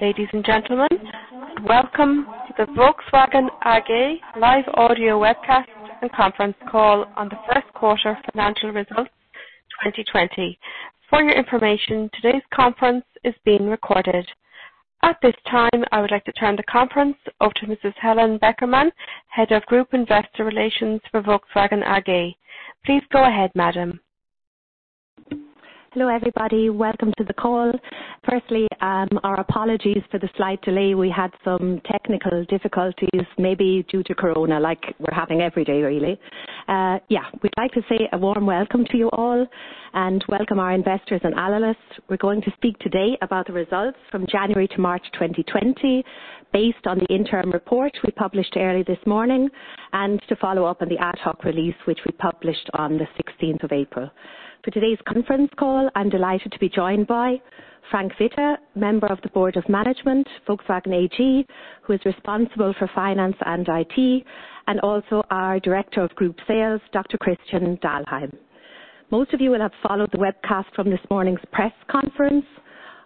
Ladies and gentlemen, welcome to the Volkswagen AG live audio webcast and conference call on the first quarter financial results 2020. For your information, today's conference is being recorded. At this time, I would like to turn the conference over to Mrs. Helen Beckermann, Head of Group Investor Relations for Volkswagen AG. Please go ahead, madam. Hello, everybody. Welcome to the call. Firstly, our apologies for the slight delay. We had some technical difficulties, maybe due to corona, like we're having every day, really. Yeah. We'd like to say a warm welcome to you all, and welcome our investors and analysts. We're going to speak today about the results from January to March 2020 based on the interim report we published earlier this morning, and to follow up on the ad hoc release, which we published on the 16th of April. For today's conference call, I'm delighted to be joined by Frank Witter, Member of the Board of Management, Volkswagen AG, who is responsible for finance and IT, and also our Director of Group Sales, Dr. Christian Dahlheim. Most of you will have followed the webcast from this morning's press conference.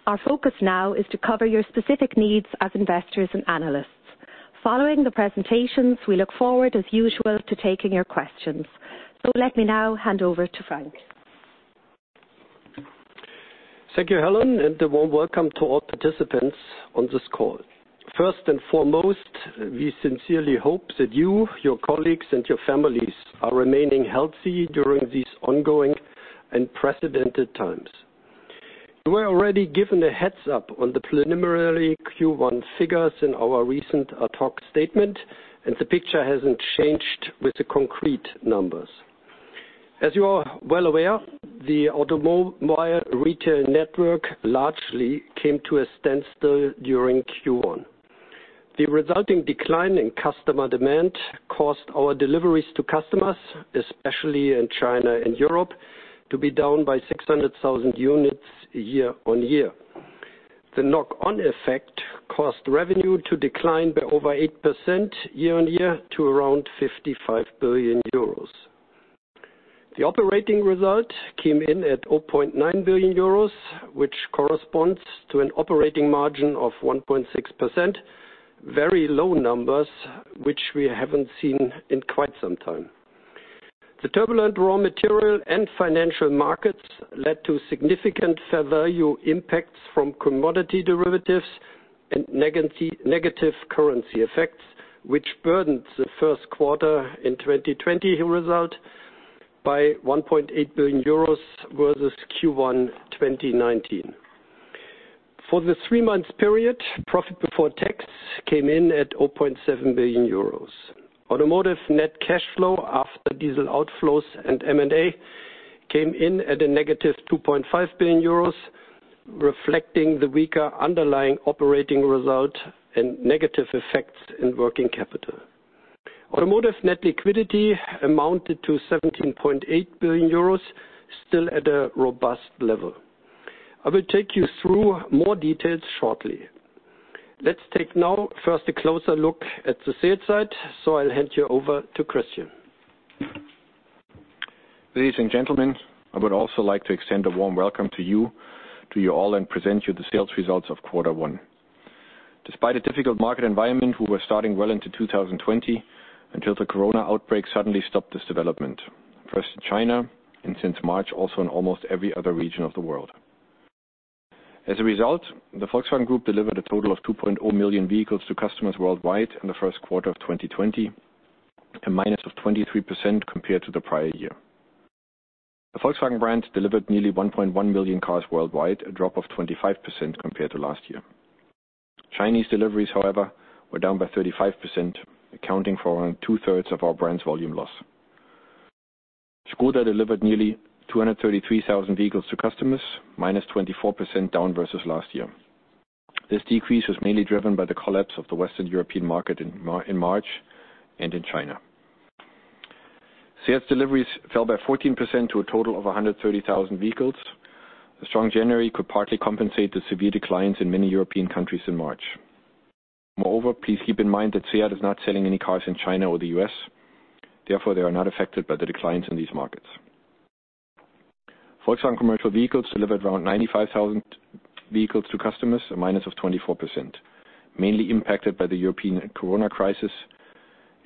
Our focus now is to cover your specific needs as investors and analysts. Following the presentations, we look forward, as usual, to taking your questions. Let me now hand over to Frank. Thank you, Helen, and a warm welcome to all participants on this call. First and foremost, we sincerely hope that you, your colleagues, and your families are remaining healthy during these ongoing unprecedented times. We were already given a heads-up on the preliminary Q1 figures in our recent ad hoc statement, and the picture hasn't changed with the concrete numbers. As you are well aware, the automobile retail network largely came to a standstill during Q1. The resulting decline in customer demand caused our deliveries to customers, especially in China and Europe, to be down by 600,000 units year-on-year. The knock-on effect caused revenue to decline by over 8% year-on-year to around 55 billion euros. The operating result came in at 0.9 billion euros, which corresponds to an operating margin of 1.6%, very low numbers, which we haven't seen in quite some time. The turbulent raw material and financial markets led to significant fair value impacts from commodity derivatives and negative currency effects, which burdens the first quarter in 2020 result by 1.8 billion euros versus Q1 2019. For the three-month period, profit before tax came in at 0.7 billion euros. Automotive net cash flow after diesel outflows and M&A came in at a -2.5 billion euros, reflecting the weaker underlying operating result and negative effects in working capital. Automotive net liquidity amounted to 17.8 billion euros, still at a robust level. I will take you through more details shortly. Let's take now first a closer look at the sales side. I'll hand you over to Christian. Ladies and gentlemen, I would also like to extend a warm welcome to you all and present you the sales results of Q1. Despite a difficult market environment, we were starting well into 2020 until the corona outbreak suddenly stopped this development, first in China and since March, also in almost every other region of the world. As a result, the Volkswagen Group delivered a total of 2.0 million vehicles to customers worldwide in the Q1 of 2020, a minus of 23% compared to the prior year. The Volkswagen brand delivered nearly 1.1 million cars worldwide, a drop of 25% compared to last year. Chinese deliveries, however, were down by 35%, accounting for around 2/3 of our brand's volume loss. Škoda delivered nearly 233,000 vehicles to customers, -24% down versus last year. This decrease was mainly driven by the collapse of the Western European market in March and in China. SEAT deliveries fell by 14% to a total of 130,000 vehicles. A strong January could partly compensate the severe declines in many European countries in March. Moreover, please keep in mind that SEAT is not selling any cars in China or the U.S. therefore, they are not affected by the declines in these markets. Volkswagen Commercial Vehicles delivered around 95,000 vehicles to customers, a minus of 24%, mainly impacted by the European corona crisis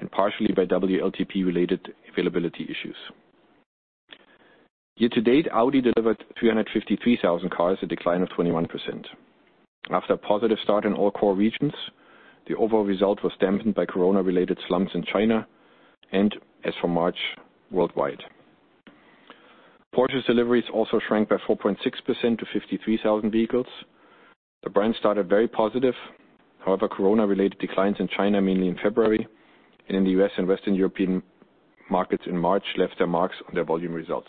and partially by WLTP related availability issues. Year to date, Audi delivered 353,000 cars, a decline of 21%. After a positive start in all core regions, the overall result was dampened by corona related slumps in China and as for March worldwide. Porsche deliveries also shrank by 4.6% to 53,000 vehicles. The brand started very positive. However, corona-related declines in China mainly in February, and in the U.S. and Western European markets in March left their marks on their volume results.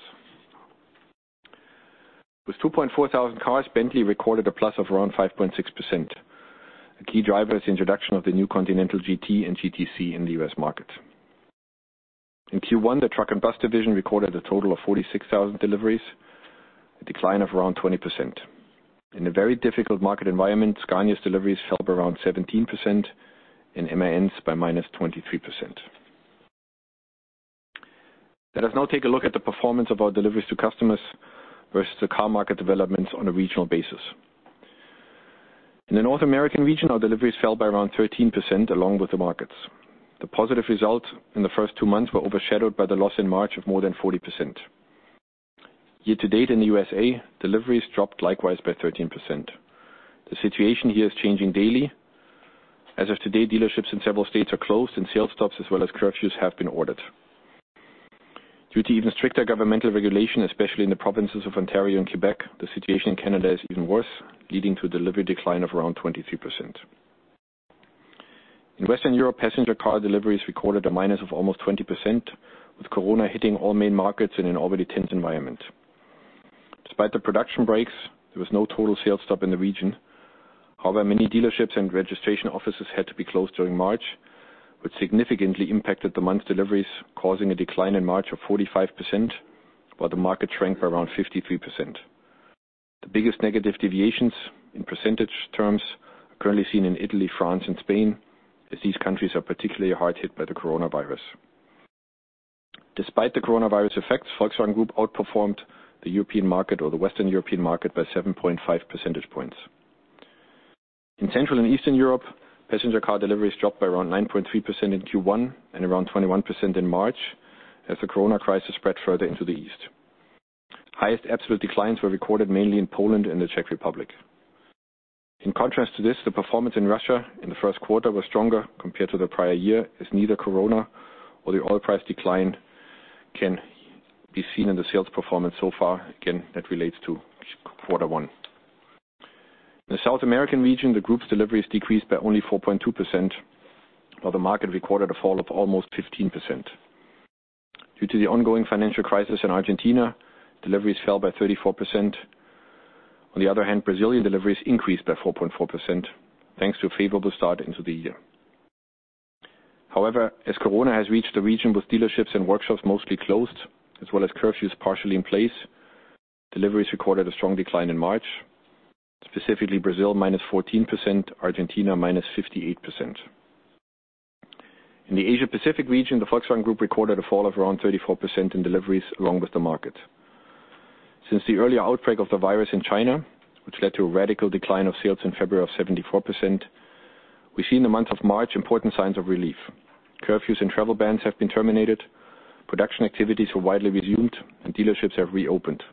With 2,400 cars, Bentley recorded a plus of around 5.6%. A key driver is the introduction of the new Continental GT and GTC in the U.S. market. In Q1, the truck and bus division recorded a total of 46,000 deliveries, a decline of around 20%. In a very difficult market environment, Scania's deliveries fell by around 17% and MAN's by -23%. Let us now take a look at the performance of our deliveries to customers versus the car market developments on a regional basis. In the North American region, our deliveries fell by around 13% along with the markets. The positive results in the first two months were overshadowed by the loss in March of more than 40%. Year to date in the U.S.A., deliveries dropped likewise by 13%. The situation here is changing daily. As of today, dealerships in several states are closed, and sales stops as well as curfews have been ordered. Due to even stricter governmental regulation, especially in the provinces of Ontario and Quebec, the situation in Canada is even worse, leading to a delivery decline of around 23%. In Western Europe, passenger car deliveries recorded a minus of almost 20%, with corona hitting all main markets in an already tense environment. Despite the production breaks, there was no total sales stop in the region. However, many dealerships and registration offices had to be closed during March, which significantly impacted the month's deliveries, causing a decline in March of 45% while the market shrank by around 53%. The biggest negative deviations in percentage terms are currently seen in Italy, France, and Spain, as these countries are particularly hard hit by the coronavirus. Despite the coronavirus effects, Volkswagen Group outperformed the European market or the Western European market by 7.5 percentage points. In Central and Eastern Europe, passenger car deliveries dropped by around 9.3% in Q1 and around 21% in March as the corona crisis spread further into the east. Highest absolute declines were recorded mainly in Poland and the Czech Republic. In contrast to this, the performance in Russia in the first quarter was stronger compared to the prior year, as neither corona or the oil price decline can be seen in the sales performance so far. Again, that relates to quarter one. In the South American region, the group's deliveries decreased by only 4.2% while the market recorded a fall of almost 15%. Due to the ongoing financial crisis in Argentina, deliveries fell by 34%. On the other hand, Brazilian deliveries increased by 4.4%, thanks to a favorable start into the year. However, as corona has reached the region with dealerships and workshops mostly closed, as well as curfews partially in place, deliveries recorded a strong decline in March, specifically Brazil -14%, Argentina -58%. In the Asia-Pacific region, the Volkswagen Group recorded a fall of around 34% in deliveries along with the market. Since the earlier outbreak of the virus in China, which led to a radical decline of sales in February of 74%, we see in the month of March important signs of relief. Curfews and travel bans have been terminated. Production activities have widely resumed, and dealerships have reopened.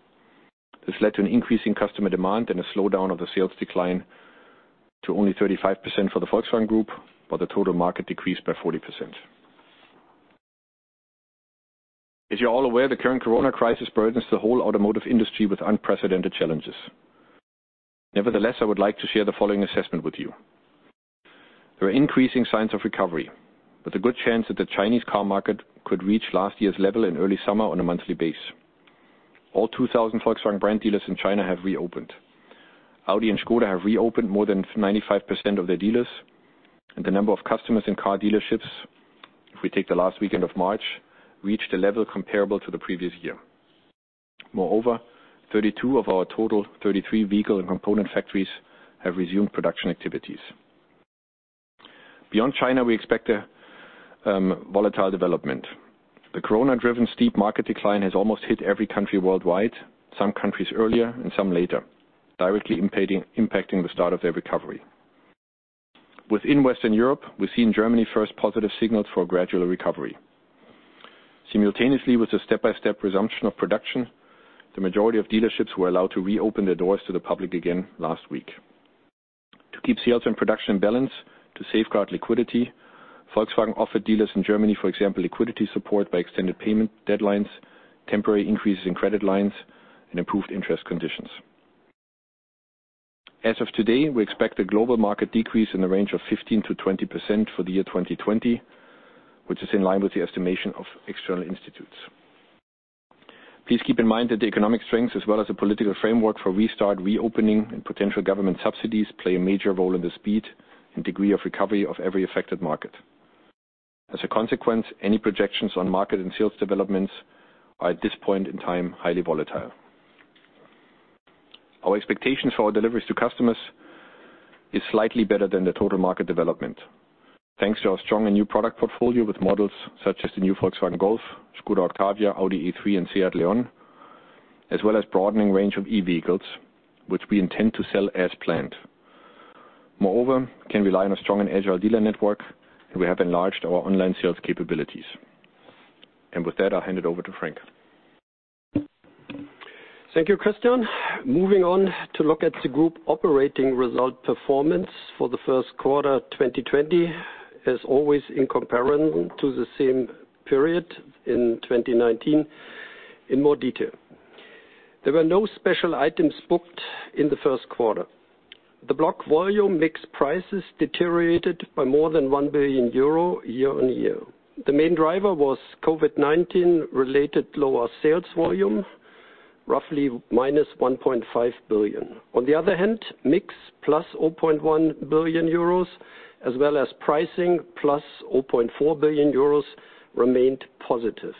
This led to an increase in customer demand and a slowdown of the sales decline to only 35% for the Volkswagen Group, while the total market decreased by 40%. As you're all aware, the current corona crisis burdens the whole automotive industry with unprecedented challenges. Nevertheless, I would like to share the following assessment with you. There are increasing signs of recovery, with a good chance that the Chinese car market could reach last year's level in early summer on a monthly basis. All 2,000 Volkswagen brand dealers in China have reopened. Audi and Škoda have reopened more than 95% of their dealers, and the number of customers in car dealerships, if we take the last weekend of March, reached a level comparable to the previous year. Moreover, 32 of our total 33 vehicle and component factories have resumed production activities. Beyond China, we expect a volatile development. The corona-driven steep market decline has almost hit every country worldwide, some countries earlier and some later, directly impacting the start of their recovery. Within Western Europe, we see in Germany first positive signals for a gradual recovery. Simultaneously, with the step-by-step resumption of production, the majority of dealerships were allowed to reopen their doors to the public again last week. To keep sales and production in balance to safeguard liquidity, Volkswagen offered dealers in Germany, for example, liquidity support by extended payment deadlines, temporary increases in credit lines, and improved interest conditions. As of today, we expect a global market decrease in the range of 15%-20% for the year 2020, which is in line with the estimation of external institutes. Please keep in mind that the economic strength as well as the political framework for restart, reopening, and potential government subsidies play a major role in the speed and degree of recovery of every affected market. As a consequence, any projections on market and sales developments are at this point in time, highly volatile. Our expectations for our deliveries to customers is slightly better than the total market development. Thanks to our strong and new product portfolio with models such as the new Volkswagen Golf, Škoda Octavia, Audi A3, and SEAT Leon, as well as broadening range of e-vehicles, which we intend to sell as planned. We can rely on a strong and agile dealer network. We have enlarged our online sales capabilities. With that, I'll hand it over to Frank. Thank you, Christian. Moving on to look at the group operating result performance for the first quarter 2020, as always, in comparison to the same period in 2019 in more detail. There were no special items booked in the first quarter. The block volume mix prices deteriorated by more than 1 billion euro year-on-year. The main driver was COVID-19 related lower sales volume, roughly -1.5 billion. On the other hand, mix +0.1 billion euros, as well as pricing +0.4 billion euros remained positive.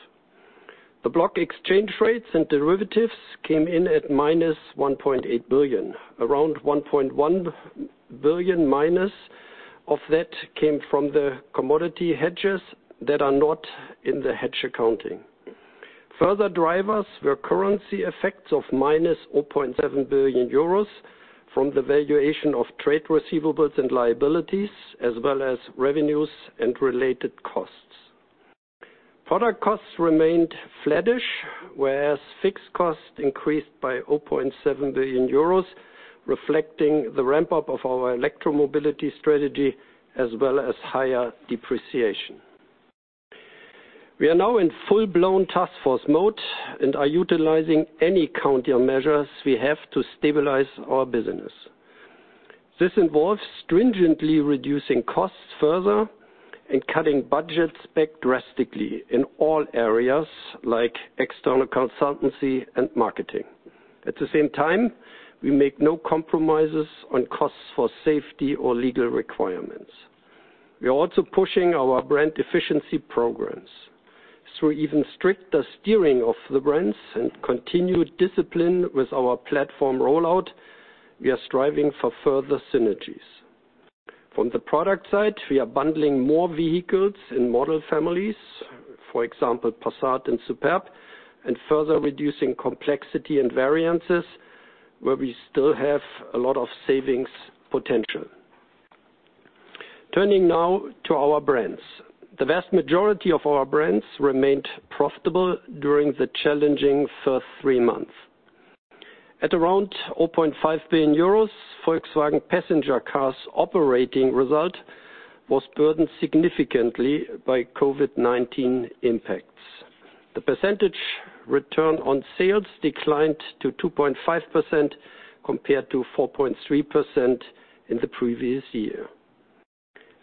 The block exchange rates and derivatives came in at -1.8 billion, around 1.1 billion minus of that came from the commodity hedges that are not in the hedge accounting. Further drivers were currency effects of -0.7 billion euros from the valuation of trade receivables and liabilities, as well as revenues and related costs. Product costs remained flattish, whereas fixed costs increased by 0.7 billion euros, reflecting the ramp-up of our electromobility strategy as well as higher depreciation. We are now in full-blown task force mode and are utilizing any counter measures we have to stabilize our business. This involves stringently reducing costs further and cutting budgets back drastically in all areas like external consultancy and marketing. At the same time, we make no compromises on costs for safety or legal requirements. We are also pushing our brand efficiency programs through even stricter steering of the brands and continued discipline with our platform rollout, we are striving for further synergies. From the product side, we are bundling more vehicles in model families, for example, Passat and Superb, and further reducing complexity and variances where we still have a lot of savings potential. Turning now to our brands. The vast majority of our brands remained profitable during the challenging first three months. At around 0.5 billion euros, Volkswagen Passenger Cars operating result was burdened significantly by COVID-19 impacts. The percentage return on sales declined to 2.5% compared to 4.3% in the previous year.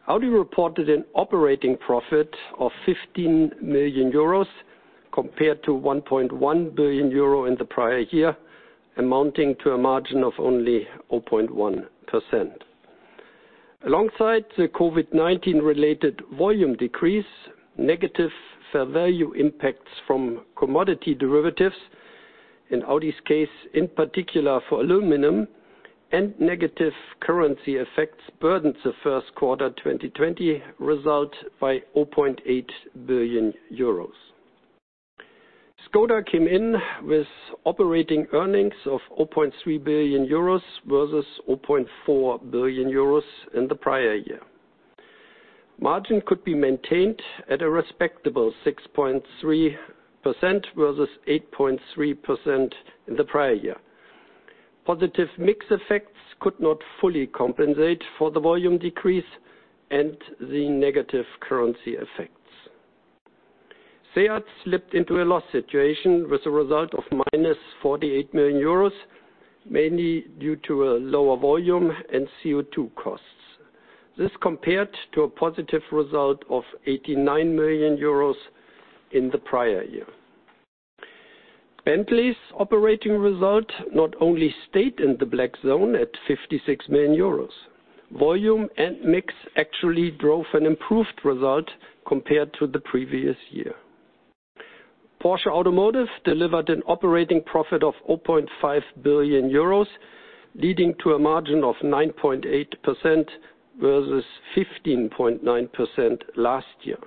Audi reported an operating profit of 15 million euros compared to 1.1 billion euro in the prior year, amounting to a margin of only 0.1%. Alongside the COVID-19-related volume decrease, negative fair value impacts from commodity derivatives, in Audi's case, in particular for aluminum and negative currency effects burdened the first quarter 2020 result by 0.8 billion euros. Škoda came in with operating earnings of 0.3 billion euros versus 0.4 billion euros in the prior year. Margin could be maintained at a respectable 6.3% versus 8.3% in the prior year. Positive mix effects could not fully compensate for the volume decrease and the negative currency effects. SEAT slipped into a loss situation with a result of -48 million euros, mainly due to a lower volume in CO2 costs. This compared to a positive result of 89 million euros in the prior year. Bentley's operating result not only stayed in the black zone at 56 million euros. Volume and mix actually drove an improved result compared to the previous year. Porsche Automotive delivered an operating profit of 0.5 billion euros, leading to a margin of 9.8% versus 15.9% last year.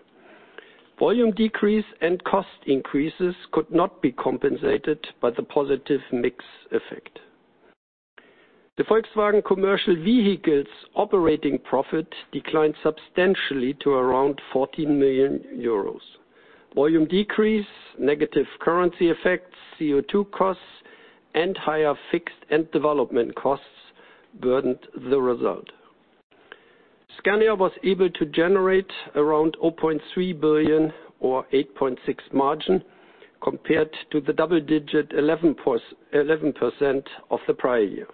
Volume decrease and cost increases could not be compensated by the positive mix effect. The Volkswagen Commercial Vehicles' operating profit declined substantially to around 14 million euros. Volume decrease, negative currency effects, CO2 costs, and higher fixed and development costs burdened the result. Scania was able to generate around 0.3 billion or 8.6% margin compared to the double-digit 11% of the prior year.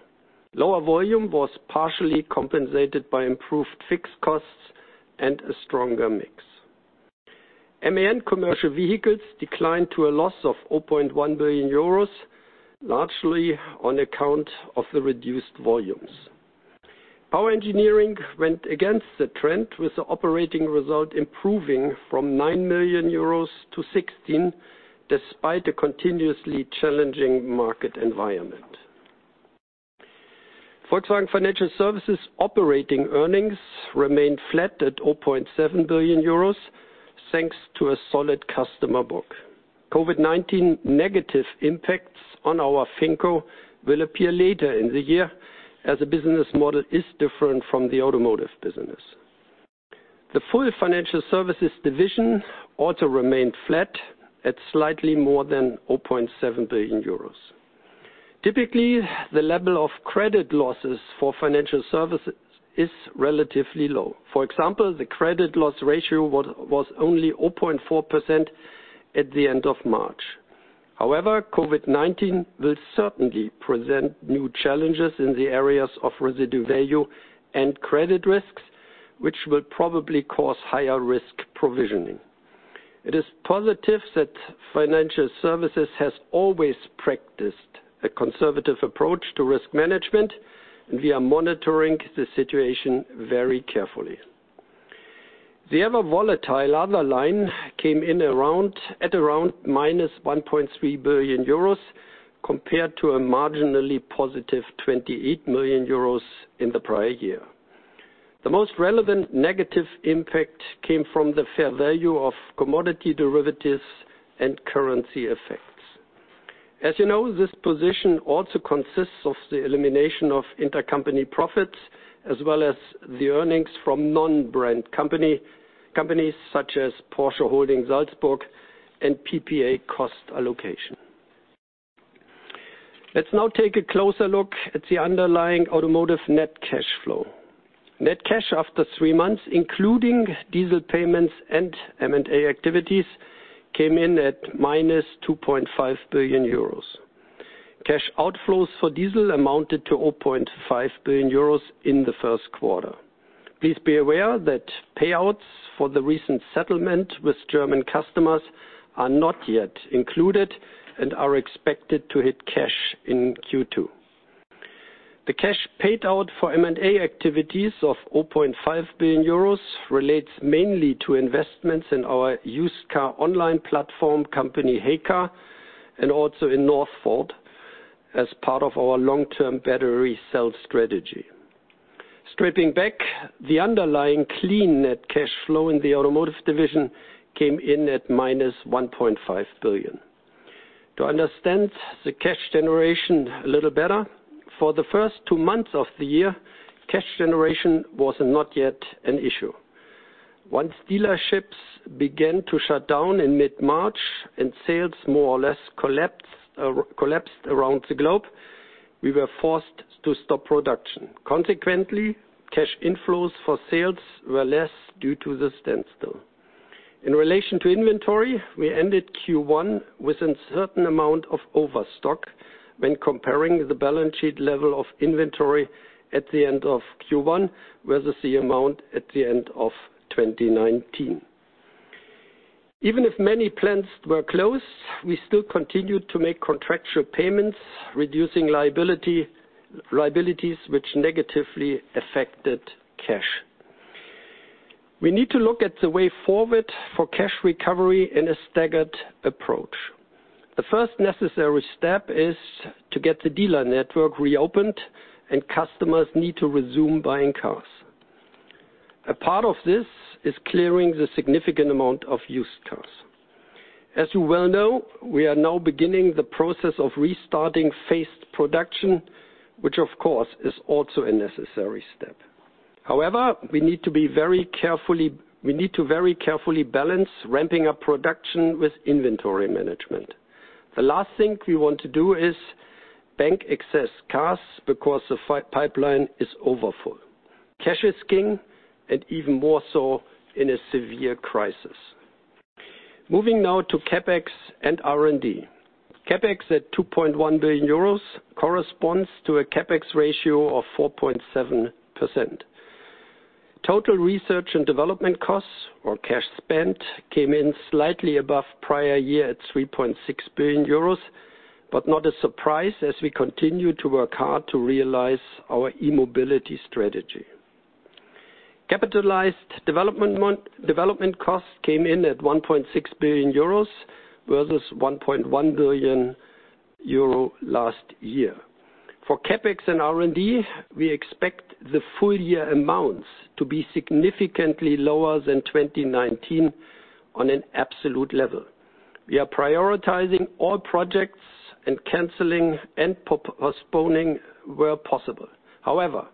Lower volume was partially compensated by improved fixed costs and a stronger mix. MAN commercial vehicles declined to a loss of 0.1 billion euros, largely on account of the reduced volumes. Power engineering went against the trend, with the operating result improving from 9 million euros to 16 million despite a continuously challenging market environment. Volkswagen Financial Services operating earnings remained flat at 0.7 billion euros, thanks to a solid customer book. COVID-19 negative impacts on our FinCo will appear later in the year as the business model is different from the automotive business. The full financial services division also remained flat at slightly more than 0.7 billion euros. Typically, the level of credit losses for financial services is relatively low. For example, the credit loss ratio was only 0.4% at the end of March. COVID-19 will certainly present new challenges in the areas of residual value and credit risks, which will probably cause higher risk provisioning. It is positive that financial services has always practiced a conservative approach to risk management, and we are monitoring the situation very carefully. The other volatile line came in at around -1.3 billion euros compared to a marginally positive 28 million euros in the prior year. The most relevant negative impact came from the fair value of commodity derivatives and currency effects. As you know, this position also consists of the elimination of intercompany profits, as well as the earnings from non-brand companies such as Porsche Holding Salzburg and PPA cost allocation. Let's now take a closer look at the underlying automotive net cash flow. Net cash after three months, including diesel payments and M&A activities, came in at -2.5 billion euros. Cash outflows for diesel amounted to 0.5 billion euros in the first quarter. Please be aware that payouts for the recent settlement with German customers are not yet included and are expected to hit cash in Q2. The cash paid out for M&A activities of 0.5 billion euros relates mainly to investments in our used car online platform company, heycar, and also in Northvolt as part of our long-term battery cell strategy. Stripping back the underlying clean net cash flow in the automotive division came in at -1.5 billion. To understand the cash generation a little better, for the first two months of the year, cash generation was not yet an issue. Once dealerships began to shut down in mid-March and sales more or less collapsed around the globe, we were forced to stop production. Consequently, cash inflows for sales were less due to the standstill. In relation to inventory, we ended Q1 with a certain amount of overstock when comparing the balance sheet level of inventory at the end of Q1 versus the amount at the end of 2019. Even if many plants were closed, we still continued to make contractual payments, reducing liabilities, which negatively affected cash. We need to look at the way forward for cash recovery in a staggered approach. The first necessary step is to get the dealer network reopened and customers need to resume buying cars. A part of this is clearing the significant amount of used cars. As you well know, we are now beginning the process of restarting phased production, which of course, is also a necessary step. However, we need to very carefully balance ramping up production with inventory management. The last thing we want to do is bank excess cars because the pipeline is overfull. Cash is king, and even more so in a severe crisis. Moving now to CapEx and R&D. CapEx at 2.1 billion euros corresponds to a CapEx ratio of 4.7%. Total research and development costs or cash spent came in slightly above prior year at 3.6 billion euros, but not a surprise as we continue to work hard to realize our e-mobility strategy. Capitalized development costs came in at 1.6 billion euros versus 1.1 billion euro last year. For CapEx and R&D, we expect the full-year amounts to be significantly lower than 2019 on an absolute level. We are prioritizing all projects and canceling and postponing where possible. However,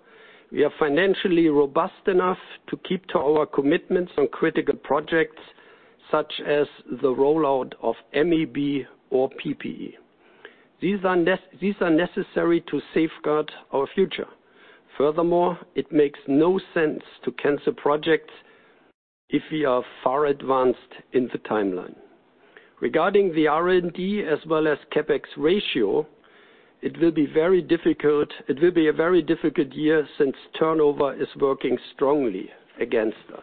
we are financially robust enough to keep to our commitments on critical projects such as the rollout of MEB or PPE. These are necessary to safeguard our future. Furthermore, it makes no sense to cancel projects if we are far advanced in the timeline. Regarding the R&D as well as CapEx ratio, it will be a very difficult year since turnover is working strongly against us.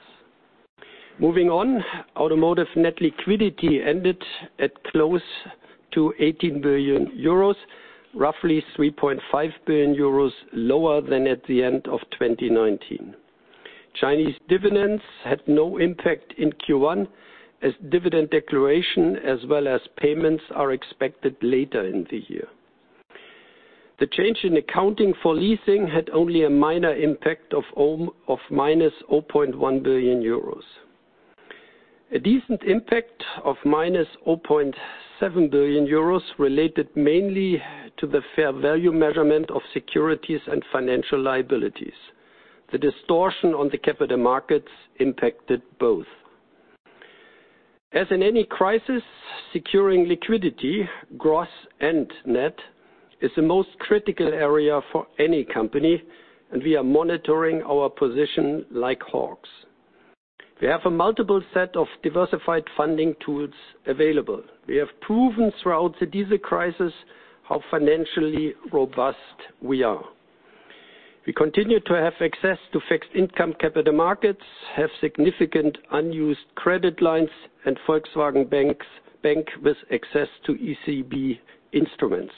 Moving on, automotive net liquidity ended at close to 18 billion euros, roughly 3.5 billion euros lower than at the end of 2019. Chinese dividends had no impact in Q1 as dividend declaration as well as payments are expected later in the year. The change in accounting for leasing had only a minor impact of -0.1 billion euros. A decent impact of -0.7 billion euros related mainly to the fair value measurement of securities and financial liabilities. The distortion on the capital markets impacted both. As in any crisis, securing liquidity, gross and net, is the most critical area for any company, and we are monitoring our position like hawks. We have a multiple set of diversified funding tools available. We have proven throughout the diesel crisis how financially robust we are. We continue to have access to fixed income capital markets, have significant unused credit lines and Volkswagen Bank with access to ECB instruments.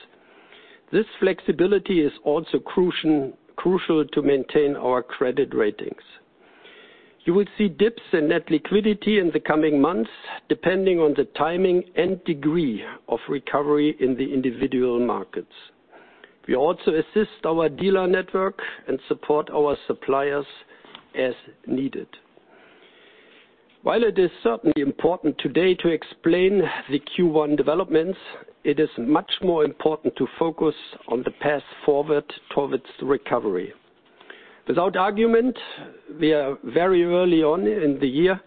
This flexibility is also crucial to maintain our credit ratings. You will see dips in net liquidity in the coming months, depending on the timing and degree of recovery in the individual markets. We also assist our dealer network and support our suppliers as needed. While it is certainly important today to explain the Q1 developments, it is much more important to focus on the path forward towards recovery. Without argument, we are very early on in the year,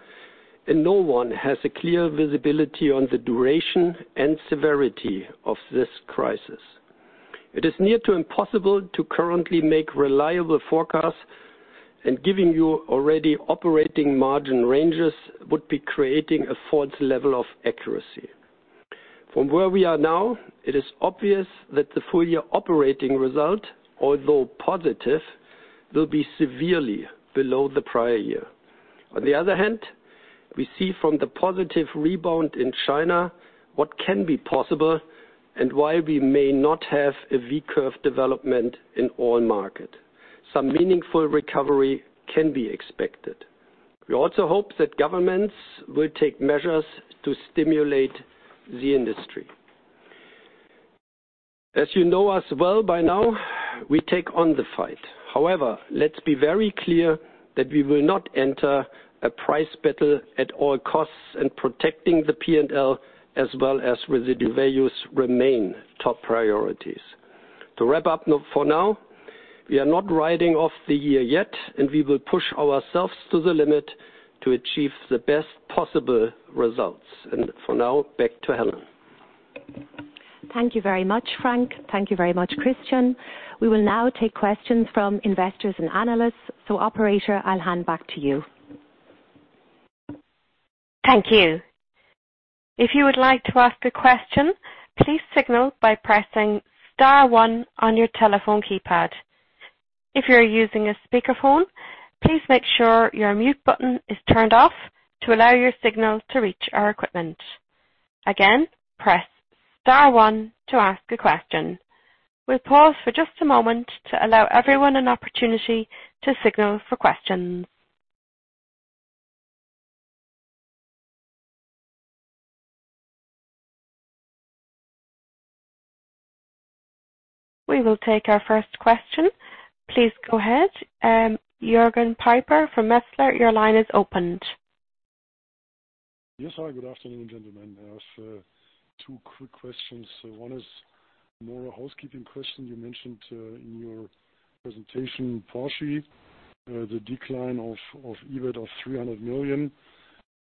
and no one has a clear visibility on the duration and severity of this crisis. It is near to impossible to currently make reliable forecasts, and giving you already operating margin ranges would be creating a false level of accuracy. From where we are now, it is obvious that the full-year operating result, although positive, will be severely below the prior year. On the other hand, we see from the positive rebound in China what can be possible and why we may not have a V-curve development in all markets. Some meaningful recovery can be expected. We also hope that governments will take measures to stimulate the industry. As you know us well by now, we take on the fight. let's be very clear that we will not enter a price battle at all costs, and protecting the P&L as well as residual values remain top priorities. To wrap up for now, we are not writing off the year yet, and we will push ourselves to the limit to achieve the best possible results. For now, back to Helen. Thank you very much, Frank. Thank you very much, Christian. We will now take questions from investors and analysts. Operator, I'll hand back to you. Thank you. If you would like to ask a question, please signal by pressing star one on your telephone keypad. If you're using a speakerphone, please make sure your mute button is turned off to allow your signal to reach our equipment. Again, press star one to ask a question. We'll pause for just a moment to allow everyone an opportunity to signal for questions. We will take our first question. Please go ahead. Jürgen Pieper from Metzler, your line is opened. Yes. Hi, good afternoon, gentlemen. I have two quick questions. One is more a housekeeping question. You mentioned in your presentation, Porsche, the decline of EBIT of 300 million.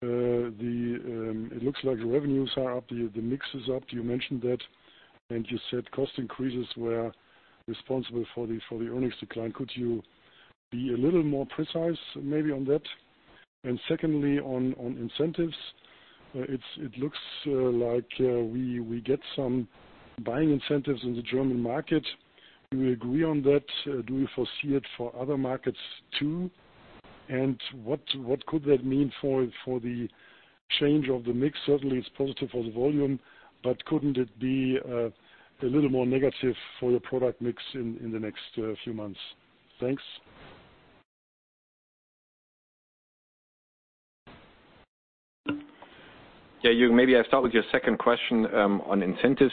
It looks like the revenues are up, the mix is up. You mentioned that, and you said cost increases were responsible for the earnings decline. Could you be a little more precise maybe on that? Secondly, on incentives, it looks like we get some buying incentives in the German market. Do you agree on that? Do you foresee it for other markets, too? What could that mean for the change of the mix? Certainly, it's positive for the volume, but couldn't it be a little more negative for the product mix in the next few months? Thanks. Yeah, Jürgen. Maybe I start with your second question on incentives.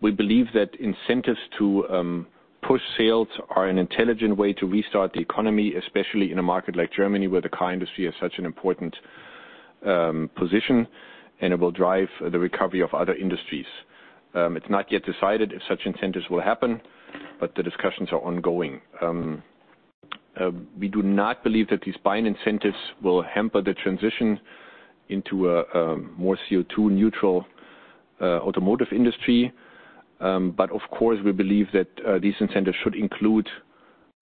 We believe that incentives to push sales are an intelligent way to restart the economy, especially in a market like Germany, where the car industry has such an important position, and it will drive the recovery of other industries. It's not yet decided if such incentives will happen, but the discussions are ongoing. We do not believe that these buying incentives will hamper the transition into a more CO2 neutral automotive industry. Of course, we believe that these incentives should include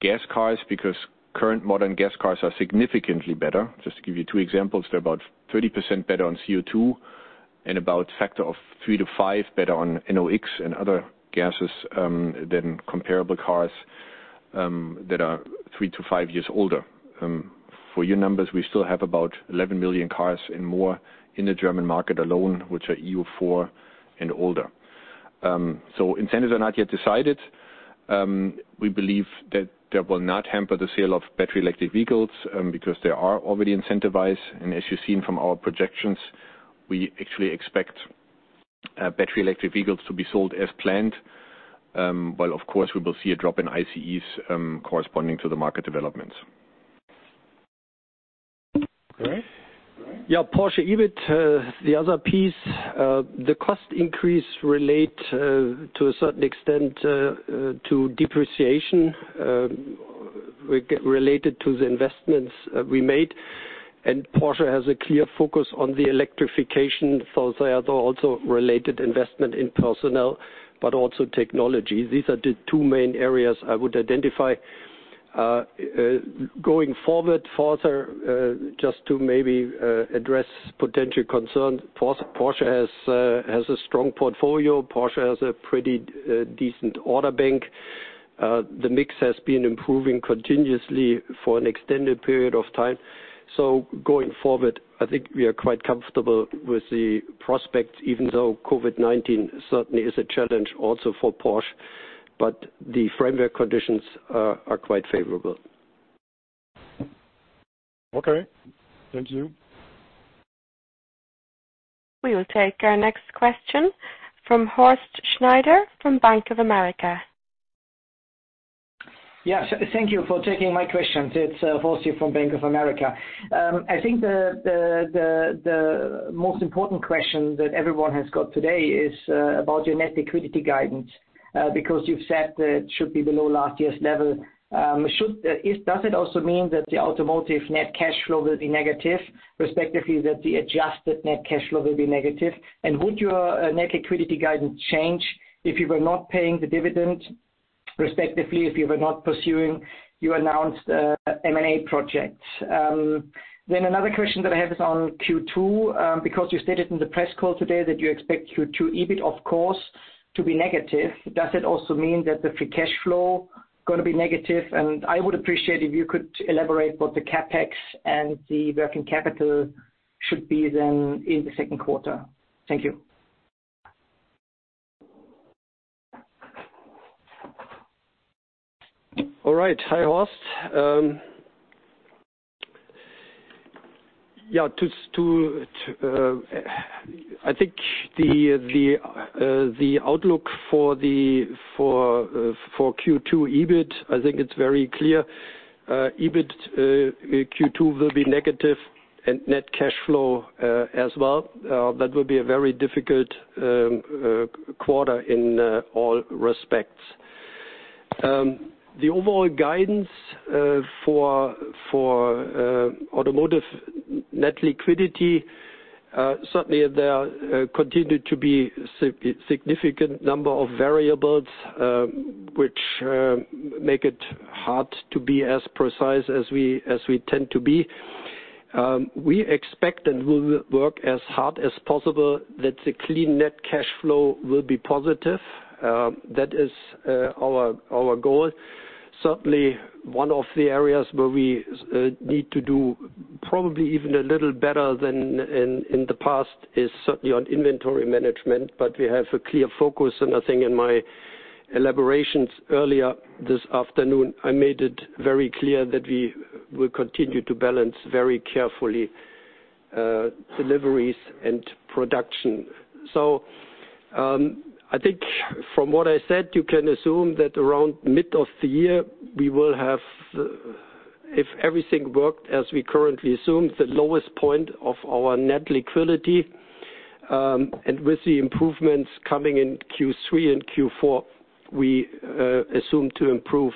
gas cars because current modern gas cars are significantly better. Just to give you two examples, they're about 30% better on CO2 and about factor of three to five better on NOx and other gases than comparable cars that are three to five years older. For your numbers, we still have about 11 million cars and more in the German market alone, which are EU4 and older. Incentives are not yet decided. We believe that they will not hamper the sale of battery electric vehicles because they are already incentivized. As you've seen from our projections, we actually expect battery electric vehicles to be sold as planned. While, of course, we will see a drop in ICEs corresponding to the market developments. Yeah, Porsche EBIT, the other piece. The cost increase relate to a certain extent to depreciation related to the investments we made. Porsche has a clear focus on the electrification. there are also related investment in personnel, but also technology. These are the two main areas I would identify. Going forward further, just to maybe address potential concerns, Porsche has a strong portfolio. Porsche has a pretty decent order bank. The mix has been improving continuously for an extended period of time. going forward, I think we are quite comfortable with the prospects, even though COVID-19 certainly is a challenge also for Porsche, but the framework conditions are quite favorable. Okay. Thank you. We will take our next question from Horst Schneider from Bank of America. Yes. Thank you for taking my questions. It's Horst here from Bank of America. I think the most important question that everyone has got today is about your net liquidity guidance, because you've said that it should be below last year's level. Does it also mean that the automotive net cash flow will be negative, respectively, that the adjusted net cash flow will be negative? Would your net liquidity guidance change if you were not paying the dividend, respectively, if you were not pursuing your announced M&A projects? Another question that I have is on Q2, because you stated in the press call today that you expect Q2 EBIT, of course, to be negative. Does it also mean that the free cash flow going to be negative? I would appreciate if you could elaborate what the CapEx and the working capital should be then in the second quarter. Thank you. All right. Hi, Horst. I think the outlook for Q2 EBIT, I think it's very clear. EBIT Q2 will be negative and net cash flow as well. That will be a very difficult quarter in all respects. The overall guidance for automotive net liquidity, certainly there continue to be significant number of variables, which make it hard to be as precise as we tend to be. We expect, and we will work as hard as possible, that the clean net cash flow will be positive. That is our goal. Certainly, one of the areas where we need to do probably even a little better than in the past is certainly on inventory management, but we have a clear focus, and I think in my elaborations earlier this afternoon, I made it very clear that we will continue to balance very carefully deliveries and production. I think from what I said, you can assume that around mid of the year, we will have, if everything worked as we currently assume, the lowest point of our net liquidity. With the improvements coming in Q3 and Q4, we assume to improve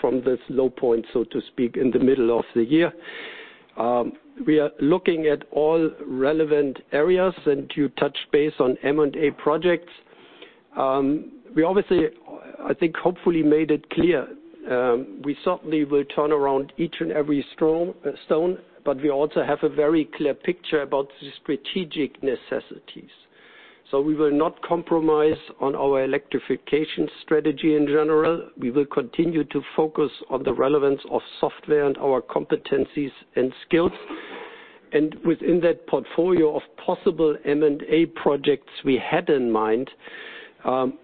from this low point, so to speak, in the middle of the year. We are looking at all relevant areas, and you touched base on M&A projects. We obviously, I think, hopefully made it clear. We certainly will turn around each and every stone, but we also have a very clear picture about the strategic necessities. We will not compromise on our electrification strategy in general. We will continue to focus on the relevance of software and our competencies and skills. Within that portfolio of possible M&A projects we had in mind,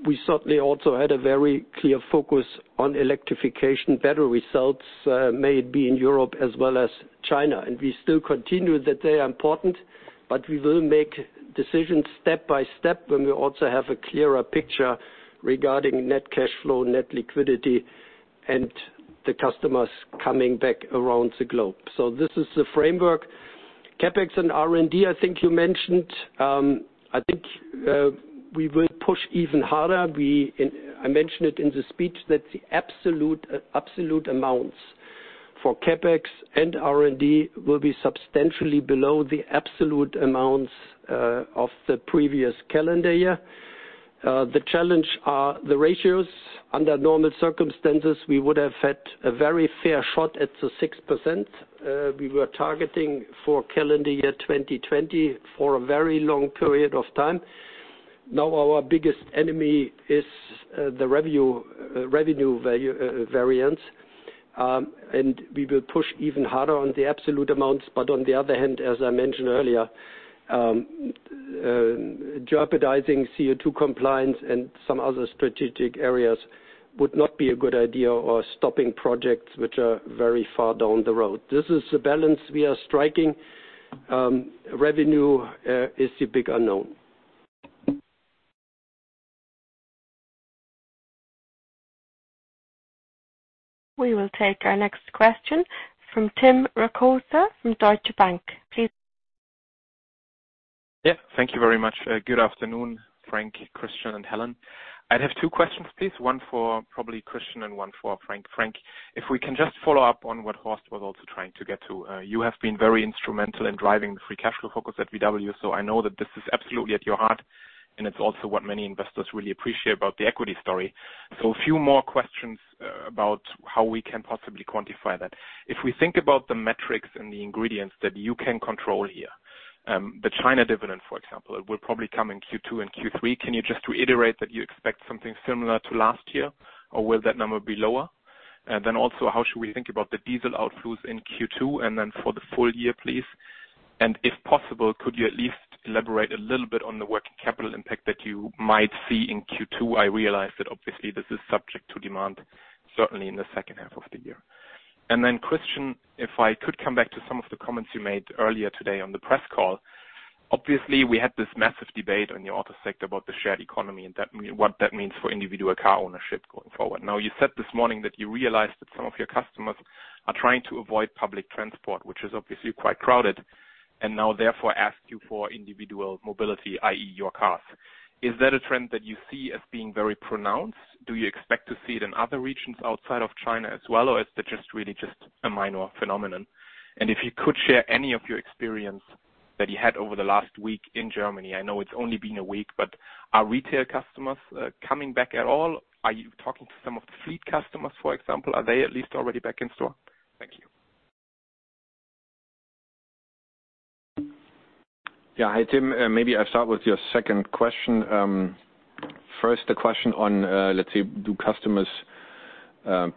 we certainly also had a very clear focus on electrification. Battery cells may it be in Europe as well as China. We still continue that they are important, but we will make decisions step by step when we also have a clearer picture regarding net cash flow, net liquidity, and the customers coming back around the globe. This is the framework. CapEx and R&D, I think you mentioned. I think we will push even harder. I mentioned it in the speech that the absolute amounts for CapEx and R&D will be substantially below the absolute amounts of the previous calendar year. The challenge are the ratios. Under normal circumstances, we would have had a very fair shot at the 6% we were targeting for calendar year 2020 for a very long period of time. Now our biggest enemy is the revenue variance, and we will push even harder on the absolute amounts. On the other hand, as I mentioned earlier, jeopardizing CO2 compliance and some other strategic areas would not be a good idea or stopping projects which are very far down the road. This is the balance we are striking. Revenue is the big unknown. We will take our next question from Tim Rokossa from Deutsche Bank. Please. Yeah. Thank you very much. Good afternoon, Frank, Christian, and Helen. I'd have two questions, please. One for probably Christian and one for Frank. Frank, if we can just follow up on what Horst was also trying to get to. You have been very instrumental in driving the free cash flow focus at VW, so I know that this is absolutely at your heart, and it's also what many investors really appreciate about the equity story. A few more questions about how we can possibly quantify that. If we think about the metrics and the ingredients that you can control here, the China dividend, for example, it will probably come in Q2 and Q3. Can you just reiterate that you expect something similar to last year, or will that number be lower? How should we think about the diesel outflows in Q2, and then for the full year, please? If possible, could you at least elaborate a little bit on the working capital impact that you might see in Q2? I realize that obviously this is subject to demand, certainly in the second half of the year. Question, if I could come back to some of the comments you made earlier today on the press call. Obviously, we had this massive debate on the auto sector about the shared economy and what that means for individual car ownership going forward. Now, you said this morning that you realized that some of your customers are trying to avoid public transport, which is obviously quite crowded, and now therefore ask you for individual mobility, i.e., your cars. Is that a trend that you see as being very pronounced? Do you expect to see it in other regions outside of China as well, or is that just really just a minor phenomenon? If you could share any of your experience that you had over the last week in Germany, I know it's only been a week, but are retail customers coming back at all? Are you talking to some of the fleet customers, for example? Are they at least already back in store? Thank you. Yeah. Hi, Tim. Maybe I start with your second question. First, the question on, let's say, do customers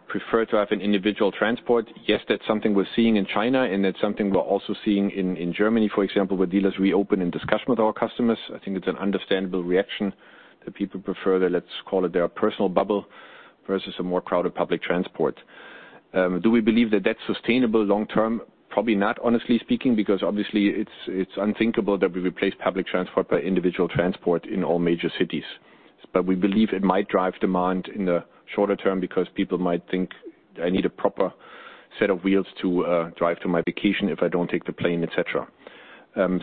prefer to have an individual transport? Yes, that's something we're seeing in China, and that's something we're also seeing in Germany, for example, where dealers reopen in discussion with our customers. I think it's an understandable reaction that people prefer their, let's call it, their personal bubble versus a more crowded public transport. Do we believe that that's sustainable long term? Probably not, honestly speaking, because obviously it's unthinkable that we replace public transport by individual transport in all major cities. We believe it might drive demand in the shorter term because people might think, I need a proper set of wheels to drive to my vacation if I don't take the plane, et cetera.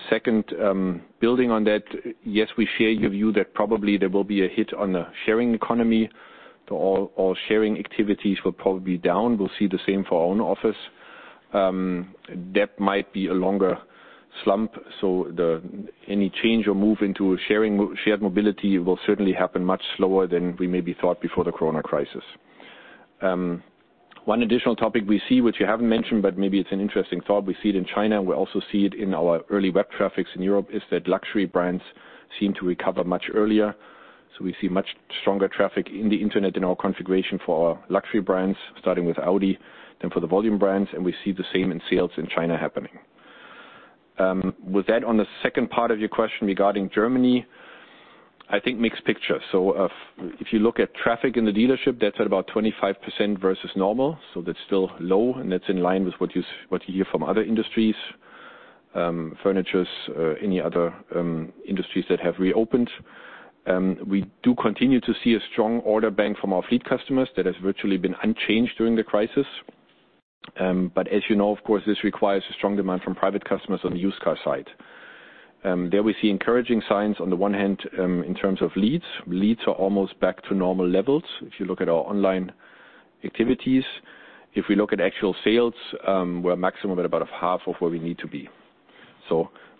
Second, building on that, yes, we share your view that probably there will be a hit on the sharing economy. All sharing activities were probably down. We'll see the same for our own offers. That might be a longer slump. Any change or move into shared mobility will certainly happen much slower than we maybe thought before the corona crisis. One additional topic we see, which you haven't mentioned, but maybe it's an interesting thought. We see it in China, and we also see it in our early web traffics in Europe, is that luxury brands seem to recover much earlier. We see much stronger traffic in the internet in our configuration for our luxury brands, starting with Audi, than for the volume brands, and we see the same in sales in China happening. With that, on the second part of your question regarding Germany, I think mixed picture. If you look at traffic in the dealership, that's at about 25% versus normal, so that's still low, and that's in line with what you hear from other industries, furniture, any other industries that have reopened. We do continue to see a strong order bank from our fleet customers that has virtually been unchanged during the crisis. As you know, of course, this requires a strong demand from private customers on the used car side. There we see encouraging signs on the one hand in terms of leads. Leads are almost back to normal levels if you look at our online activities. If we look at actual sales, we're maximum at about half of where we need to be.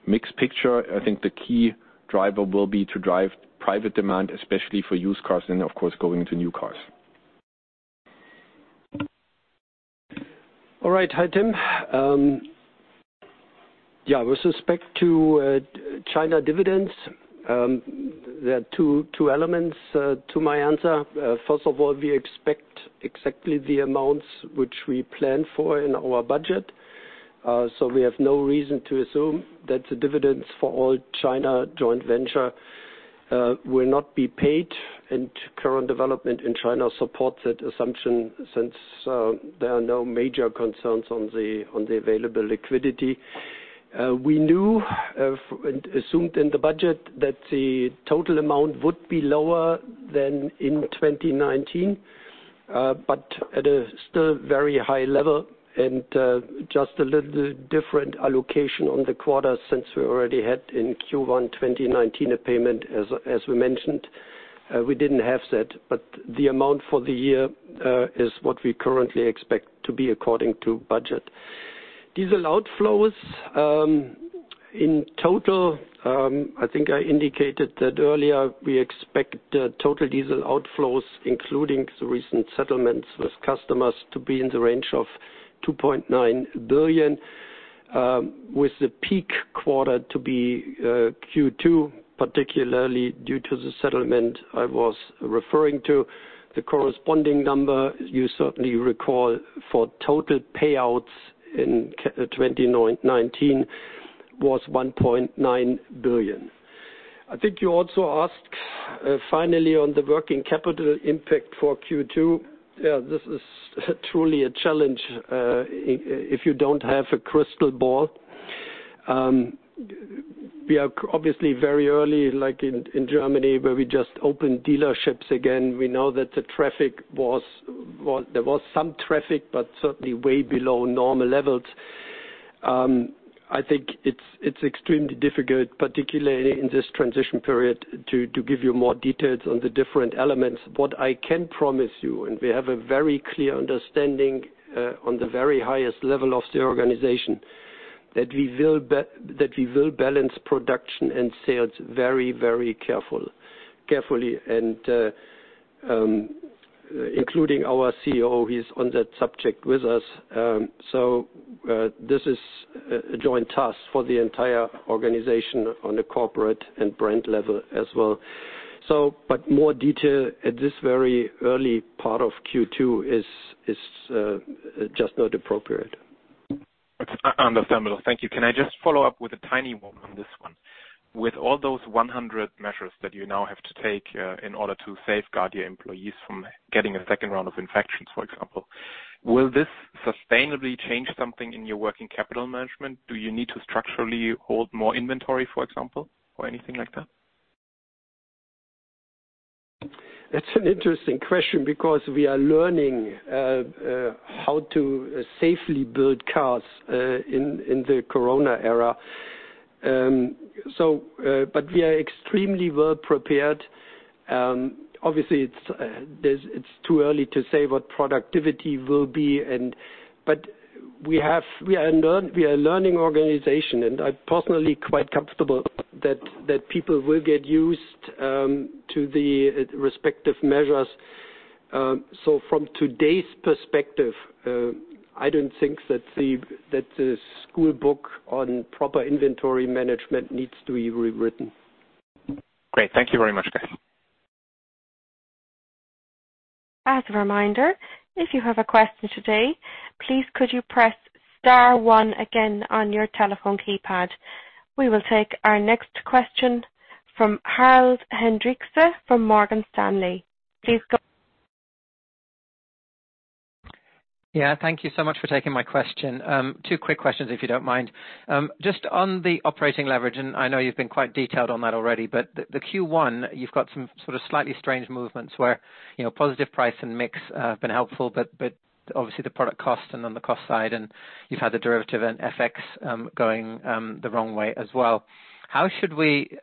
Mixed picture. I think the key driver will be to drive private demand, especially for used cars and of course going to new cars. All right. Hi, Tim. Yeah, with respect to China dividends, there are two elements to my answer. First of all, we expect exactly the amounts which we plan for in our budget. We have no reason to assume that the dividends for all China joint venture will not be paid, and current development in China supports that assumption since there are no major concerns on the available liquidity. We knew and assumed in the budget that the total amount would be lower than in 2019, but at a still very high level and just a little different allocation on the quarter since we already had in Q1 2019 a payment, as we mentioned. We didn't have that, but the amount for the year is what we currently expect to be according to budget. Diesel outflows. In total, I think I indicated that earlier, we expect the total diesel outflows, including the recent settlements with customers, to be in the range of 2.9 billion, with the peak quarter to be Q2, particularly due to the settlement I was referring to. The corresponding number you certainly recall for total payouts in 2019 was 1.9 billion. I think you also asked finally on the working capital impact for Q2. Yeah, this is truly a challenge if you don't have a crystal ball. We are obviously very early, like in Germany where we just opened dealerships again. We know that there was some traffic, but certainly way below normal levels. I think it's extremely difficult, particularly in this transition period, to give you more details on the different elements. What I can promise you, and we have a very clear understanding on the very highest level of the organization, that we will balance production and sales very carefully. Including our CEO, he's on that subject with us. This is a joint task for the entire organization on the corporate and brand level as well. More detail at this very early part of Q2 is just not appropriate. I understand. Thank you. Can I just follow up with a tiny one on this one? With all those 100 measures that you now have to take in order to safeguard your employees from getting a second round of infections, for example, will this sustainably change something in your working capital management? Do you need to structurally hold more inventory, for example, or anything like that? That's an interesting question because we are learning how to safely build cars in the corona era. We are extremely well prepared. Obviously, it's too early to say what productivity will be. We are a learning organization, and I'm personally quite comfortable that people will get used to the respective measures. From today's perspective, I don't think that the school book on proper inventory management needs to be rewritten. Great. Thank you very much. As a reminder, if you have a question today, please could you press star one again on your telephone keypad. We will take our next question from Harald Hendrikse from Morgan Stanley. Please go. Yeah. Thank you so much for taking my question. Two quick questions, if you don't mind. Just on the operating leverage, and I know you've been quite detailed on that already, but the Q1, you've got some sort of slightly strange movements where positive price and mix have been helpful, but obviously the product cost and on the cost side, and you've had the derivative and FX going the wrong way as well. How should we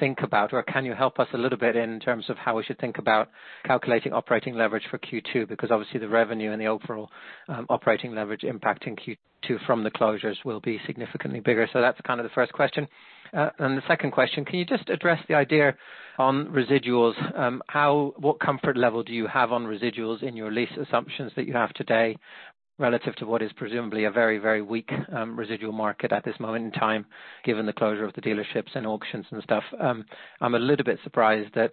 think about, or can you help us a little bit in terms of how we should think about calculating operating leverage for Q2? Because obviously the revenue and the overall operating leverage impact in Q2 from the closures will be significantly bigger. That's kind of the first question. The second question, can you just address the idea on residuals? What comfort level do you have on residuals in your lease assumptions that you have today relative to what is presumably a very weak residual market at this moment in time, given the closure of the dealerships and auctions and stuff? I'm a little bit surprised that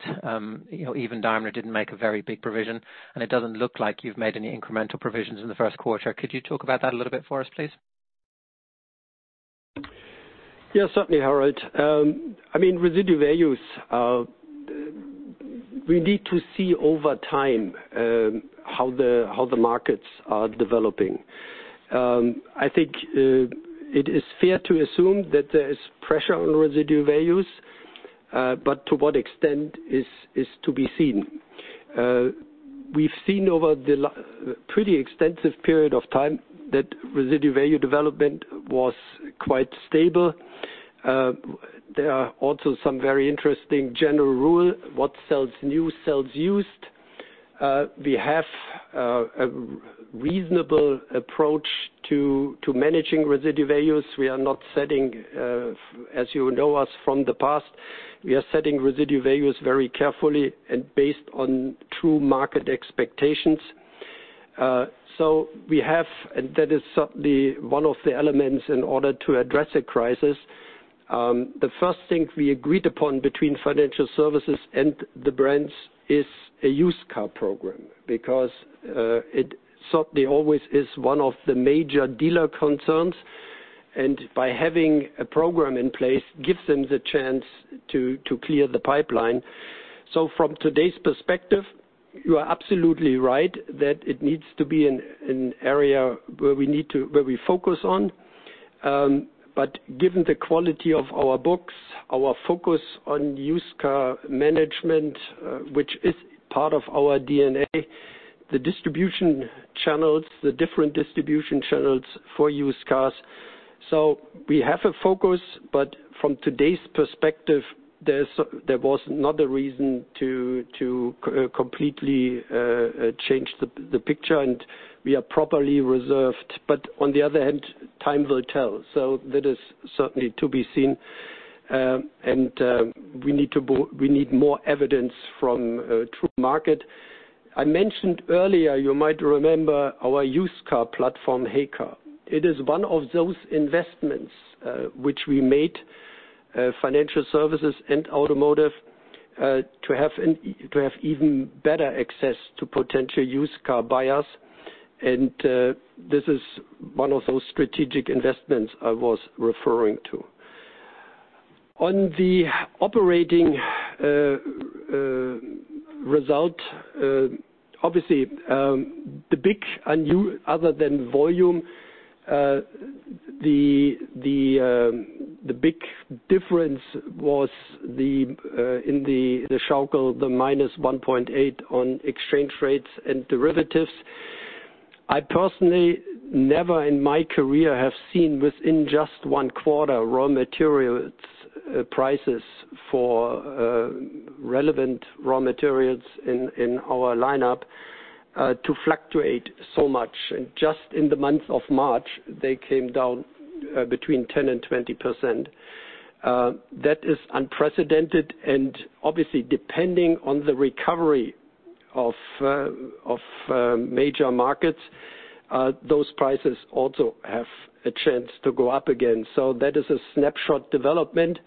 even Daimler didn't make a very big provision, and it doesn't look like you've made any incremental provisions in the first quarter. Could you talk about that a little bit for us, please? Yeah, certainly, Harald. Residual values, we need to see over time how the markets are developing. I think it is fair to assume that there is pressure on residual values, but to what extent is to be seen. We've seen over the pretty extensive period of time that residual value development was quite stable. There are also some very interesting general rule, what sells new, sells used. We have a reasonable approach to managing residual values. We are not setting, as you know us from the past, we are setting residual values very carefully and based on true market expectations. We have, and that is certainly one of the elements in order to address a crisis. The first thing we agreed upon between financial services and the brands is a used car program, because it certainly always is one of the major dealer concerns, and by having a program in place, gives them the chance to clear the pipeline. From today's perspective, you are absolutely right that it needs to be an area where we focus on. Given the quality of our books, our focus on used car management, which is part of our DNA, the distribution channels, the different distribution channels for used cars. We have a focus, but from today's perspective, there was not a reason to completely change the picture, and we are properly reserved. On the other hand, time will tell. That is certainly to be seen, and we need more evidence from true market. I mentioned earlier, you might remember our used car platform, heycar. It is one of those investments which we made, financial services and automotive, to have even better access to potential used car buyers. This is one of those strategic investments I was referring to. On the operating result, obviously, other than volume, the big difference was in the Schaukel, the -1.8 billion on exchange rates and derivatives. I personally, never in my career, have seen within just one quarter, raw materials prices for relevant raw materials in our lineup to fluctuate so much, and just in the month of March, they came down between 10% and 20%. That is unprecedented, and obviously depending on the recovery of major markets. Those prices also have a chance to go up again. That is a snapshot development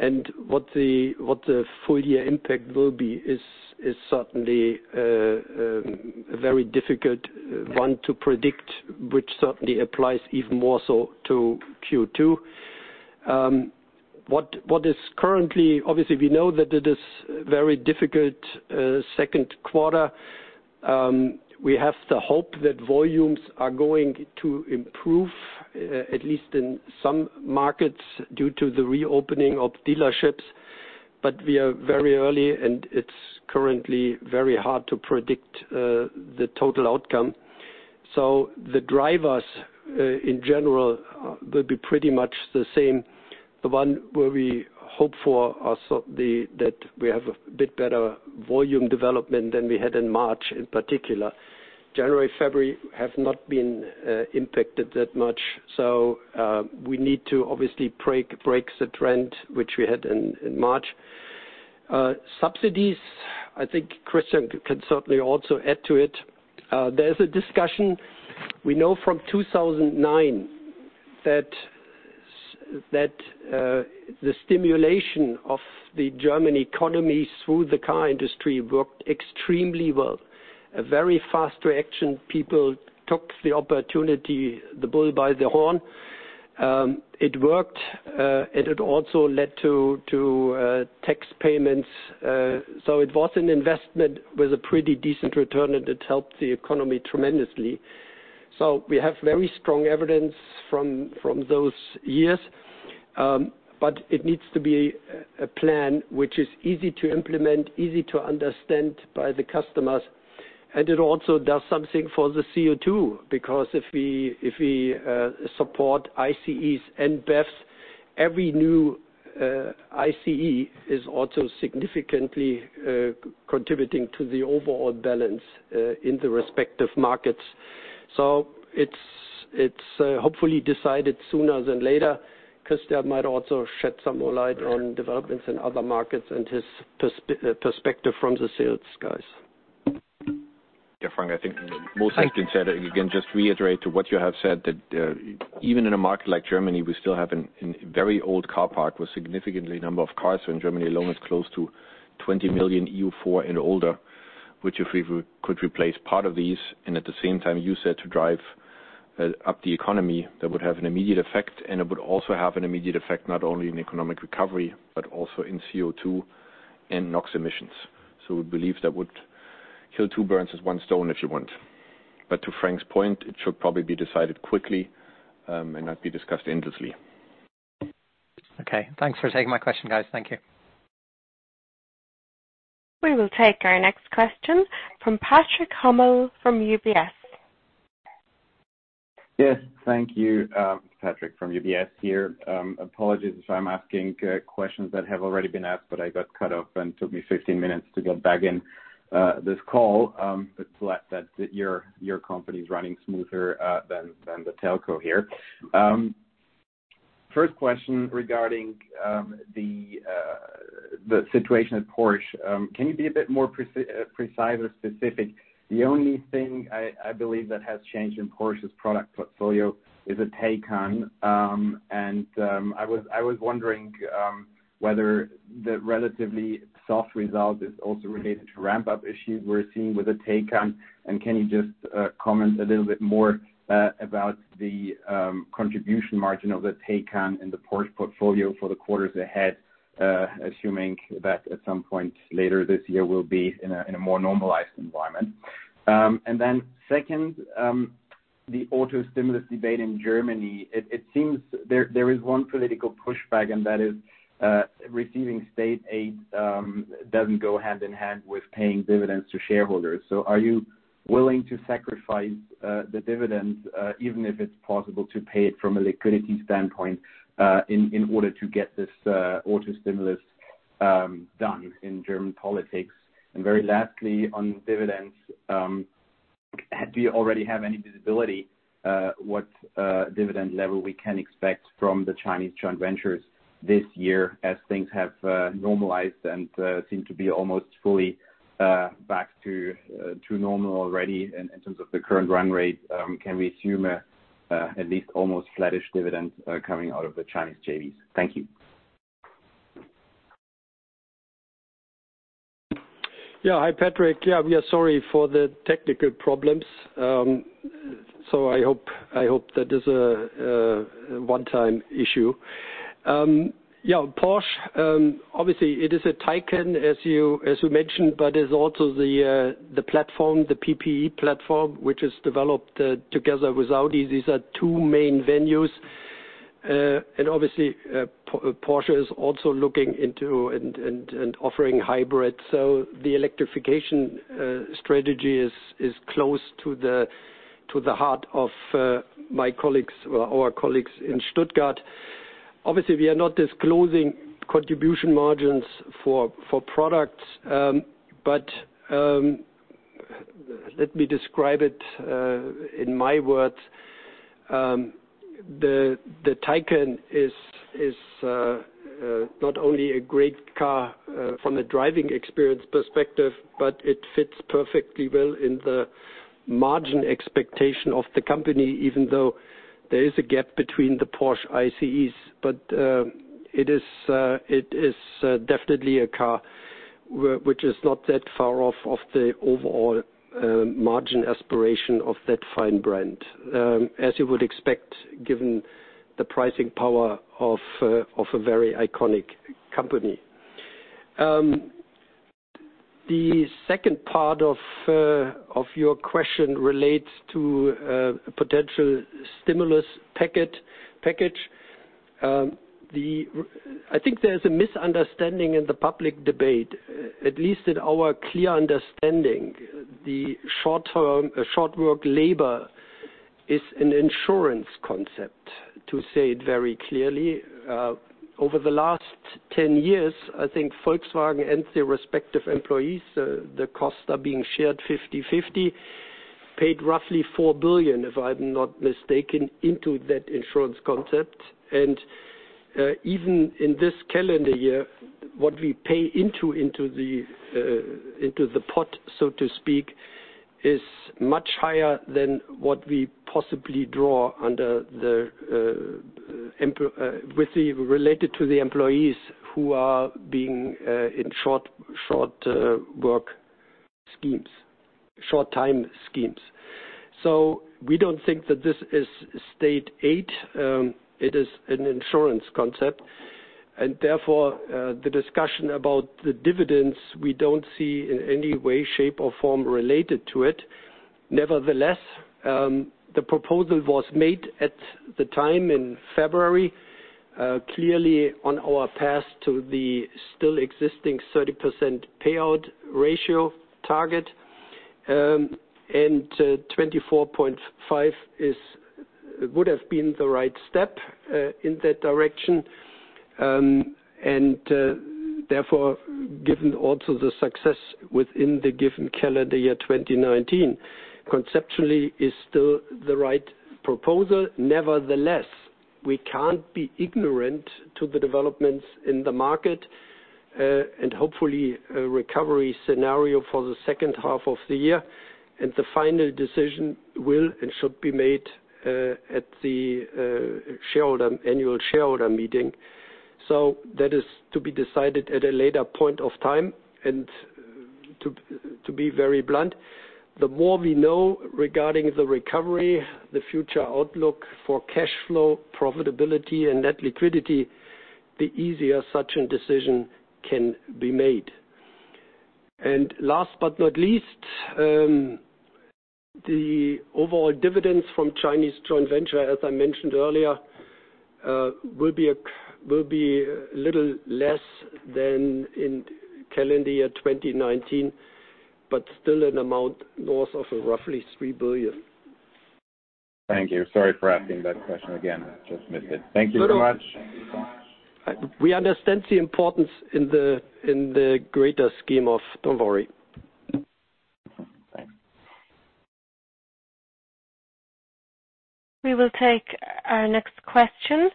and what the full year impact will be is certainly a very difficult one to predict, which certainly applies even more so to Q2. What is currently, obviously, we know that it is very difficult second quarter. We have to hope that volumes are going to improve, at least in some markets, due to the reopening of dealerships, but we are very early and it's currently very hard to predict the total outcome. The drivers, in general, will be pretty much the same. The one where we hope for are certainly that we have a bit better volume development than we had in March in particular. January, February have not been impacted that much. We need to obviously break the trend which we had in March. Subsidies, I think Christian can certainly also add to it. There is a discussion, we know from 2009 that the stimulation of the German economy through the car industry worked extremely well. A very fast reaction. People took the opportunity, the bull by the horn. It worked, and it also led to tax payments. It was an investment with a pretty decent return, and it helped the economy tremendously. We have very strong evidence from those years. It needs to be a plan which is easy to implement, easy to understand by the customers, and it also does something for the CO2, because if we support ICEs and BEVs, every new ICE is also significantly contributing to the overall balance in the respective markets. It's hopefully decided sooner than later. Christian might also shed some more light on developments in other markets and his perspective from the sales guys. Yeah, Frank, I think most has been said. Again, just reiterate to what you have said that even in a market like Germany, we still have a very old car park with significantly number of cars. In Germany alone, it's close to 20 million EU4 and older, which if we could replace part of these and at the same time use that to drive up the economy, that would have an immediate effect. It would also have an immediate effect, not only in economic recovery, but also in CO2 and NOx emissions. We believe that would kill two birds with one stone, if you want. To Frank's point, it should probably be decided quickly, and not be discussed endlessly. Okay. Thanks for taking my question, guys. Thank you. We will take our next question from Patrick Hummel from UBS. Yes. Thank you. Patrick from UBS here. Apologies if I'm asking questions that have already been asked, but I got cut off, and it took me 15 minutes to get back in this call. I'm glad that your company's running smoother than the telco here. First question regarding the situation at Porsche. Can you be a bit more precise or specific? The only thing I believe that has changed in Porsche's product portfolio is the Taycan. I was wondering whether the relatively soft result is also related to ramp-up issues we're seeing with the Taycan. Can you just comment a little bit more about the contribution margin of the Taycan in the Porsche portfolio for the quarters ahead, assuming that at some point later this year we'll be in a more normalized environment? Second, the auto stimulus debate in Germany. It seems there is one political pushback and that is receiving state aid doesn't go hand in hand with paying dividends to shareholders. Are you willing to sacrifice the dividends, even if it's possible to pay it from a liquidity standpoint, in order to get this auto stimulus done in German politics? Very lastly, on dividends, do you already have any visibility what dividend level we can expect from the Chinese joint ventures this year as things have normalized and seem to be almost fully back to normal already in terms of the current run rate? Can we assume at least almost flattish dividends coming out of the Chinese JVs? Thank you. Yeah. Hi, Patrick. Yeah, we are sorry for the technical problems. I hope that is a one-time issue. Yeah. Porsche, obviously it is the Taycan as you mentioned, but it's also the platform, the PPE platform, which is developed together with Audi. These are two main avenues. Obviously, Porsche is also looking into and offering hybrid. The electrification strategy is close to the heart of our colleagues in Stuttgart. Obviously, we are not disclosing contribution margins for products. Let me describe it in my words. The Taycan is not only a great car from a driving experience perspective, but it fits perfectly well in the margin expectation of the company, even though there is a gap between the Porsche ICEs. It is definitely a car which is not that far off of the overall margin aspiration of that fine brand, as you would expect, given the pricing power of a very iconic company. The second part of your question relates to a potential stimulus package. I think there is a misunderstanding in the public debate, at least in our clear understanding, the short work labor is an insurance concept, to say it very clearly. Over the last 10 years, I think Volkswagen and their respective employees, the costs are being shared 50/50, paid roughly 4 billion, if I'm not mistaken, into that insurance concept. Even in this calendar year, what we pay into the pot, so to speak, is much higher than what we possibly draw related to the employees who are being in short work schemes, short time schemes. We don't think that this is state aid. It is an insurance concept. Therefore, the discussion about the dividends, we don't see in any way, shape, or form related to it. Nevertheless, the proposal was made at the time in February, clearly on our path to the still existing 30% payout ratio target. 24.5 would have been the right step in that direction. Therefore, given also the success within the given calendar year 2019, conceptually is still the right proposal. Nevertheless, we can't be ignorant to the developments in the market, and hopefully a recovery scenario for the second half of the year. The final decision will and should be made at the annual shareholder meeting. that is to be decided at a later point of time, and to be very blunt, the more we know regarding the recovery, the future outlook for cash flow, profitability, and net liquidity, the easier such a decision can be made. Last but not least, the overall dividends from Chinese joint venture, as I mentioned earlier, will be a little less than in calendar year 2019, but still an amount north of roughly 3 billion. Thank you. Sorry for asking that question again. Just missed it. Thank you very much. We understand the importance in the greater scheme of. Don't worry. We will take our next question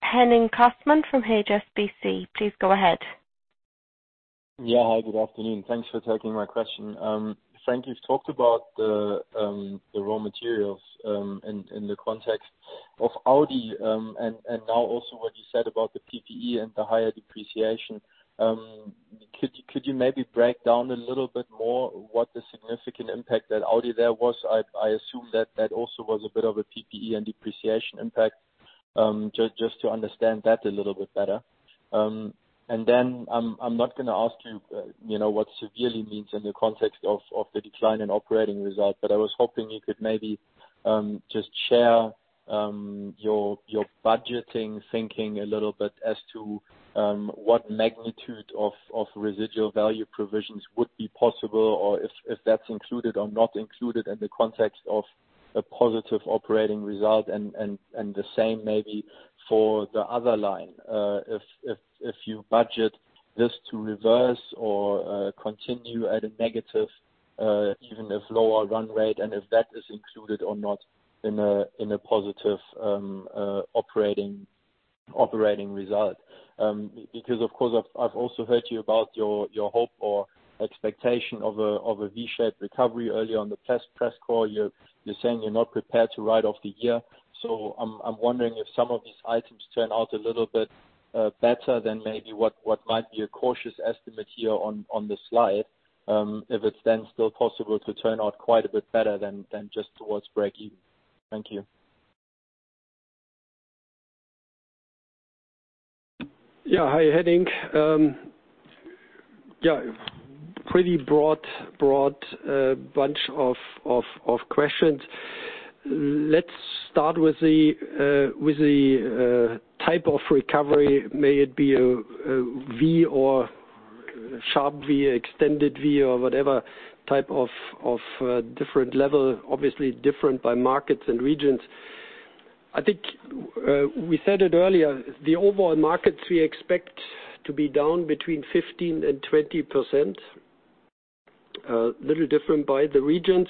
from Henning Cosman from HSBC. Please go ahead. Yeah. Hi, good afternoon. Thanks for taking my question. Frank, you've talked about the raw materials in the context of Audi, and now also what you said about the PPE and the higher depreciation. Could you maybe break down a little bit more what the significant impact at Audi there was? I assume that that also was a bit of a PPE and depreciation impact, just to understand that a little bit better. I'm not going to ask you what severely means in the context of the decline in operating result, but I was hoping you could maybe just share your budgeting thinking a little bit as to what magnitude of residual value provisions would be possible, or if that's included or not included in the context of a positive operating result and the same maybe for the other line. If you budget this to reverse or continue at a negative, even if lower run rate and if that is included or not in a positive operating result. Of course, I've also heard you about your hope or expectation of a V-shaped recovery earlier on the press call. You're saying you're not prepared to write off the year. I'm wondering if some of these items turn out a little bit better than maybe what might be a cautious estimate here on this slide, if it's then still possible to turn out quite a bit better than just towards breakeven. Thank you. Yeah. Hi, Henning. Pretty broad bunch of questions. Let's start with the type of recovery, may it be a V or sharp V, extended V or whatever type of different level, obviously different by markets and regions. I think we said it earlier, the overall markets we expect to be down between 15% and 20%, a little different by the regions.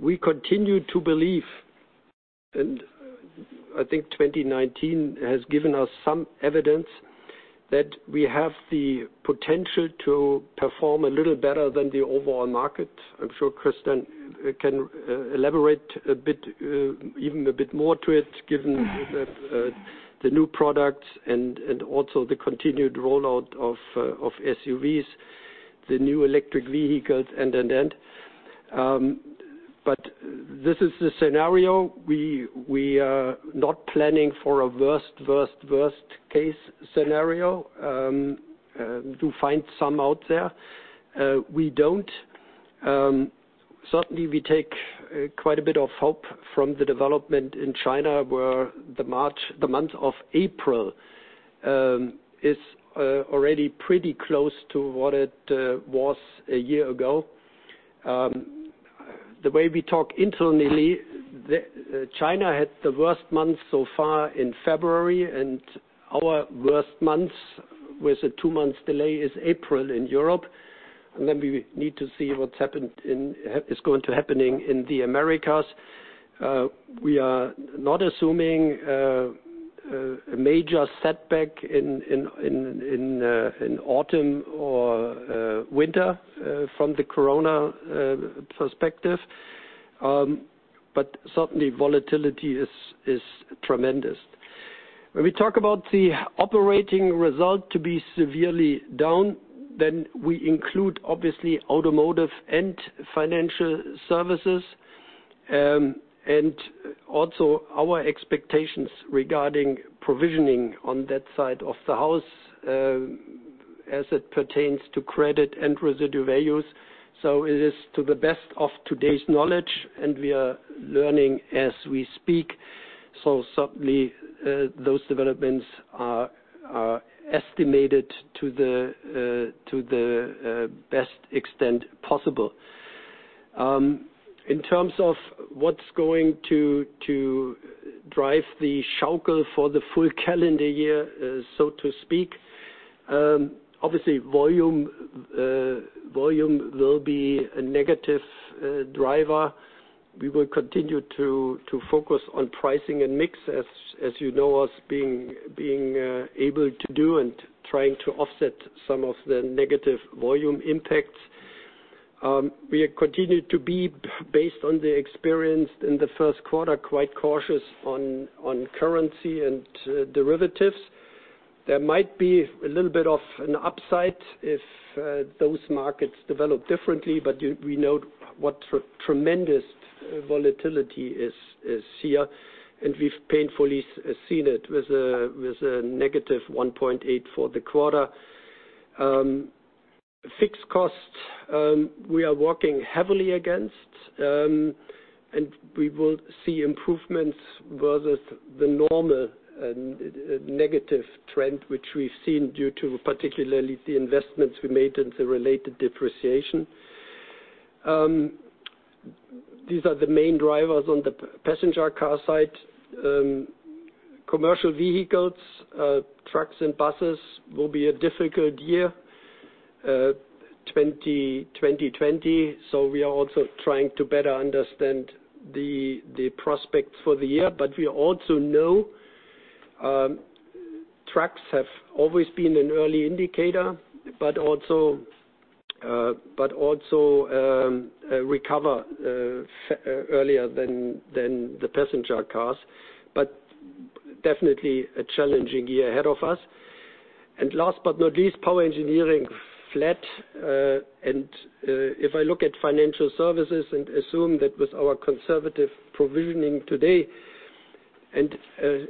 We continue to believe, and I think 2019 has given us some evidence, that we have the potential to perform a little better than the overall market. I'm sure Christian can elaborate even a bit more to it, given the new products and also the continued rollout of SUVs, the new electric vehicles, and. This is the scenario. We are not planning for a worst case scenario, you find some out there. We don't. Certainly, we take quite a bit of hope from the development in China, where the month of April is already pretty close to what it was a year ago. The way we talk internally, China had the worst month so far in February, and our worst month, with a two-month delay, is April in Europe. We need to see what's going to happen in the Americas. We are not assuming a major setback in autumn or winter from the corona perspective. Certainly volatility is tremendous. When we talk about the operating result to be severely down, then we include, obviously, automotive and financial services, and also our expectations regarding provisioning on that side of the house, as it pertains to credit and residual values. It is to the best of today's knowledge, and we are learning as we speak. Certainly, those developments are estimated to the best extent possible. In terms of what's going to drive the Schaukel for the full calendar year, so to speak, obviously volume will be a negative driver. We will continue to focus on pricing and mix, as you know us being able to do, and trying to offset some of the negative volume impacts. We continue to be, based on the experience in the first quarter, quite cautious on currency and derivatives. There might be a little bit of an upside if those markets develop differently, but we know what tremendous volatility is here, and we've painfully seen it with a -1.8 billion for the quarter. Fixed costs, we are working heavily against, and we will see improvements versus the normal negative trend which we've seen due to particularly the investments we made and the related depreciation. These are the main drivers on the passenger car side. Commercial vehicles, trucks and buses will be a difficult year, 2020, so we are also trying to better understand the prospects for the year. We also know trucks have always been an early indicator, but also recover earlier than the passenger cars. Definitely a challenging year ahead of us. Last but not least, power engineering flat. If I look at financial services and assume that with our conservative provisioning today and a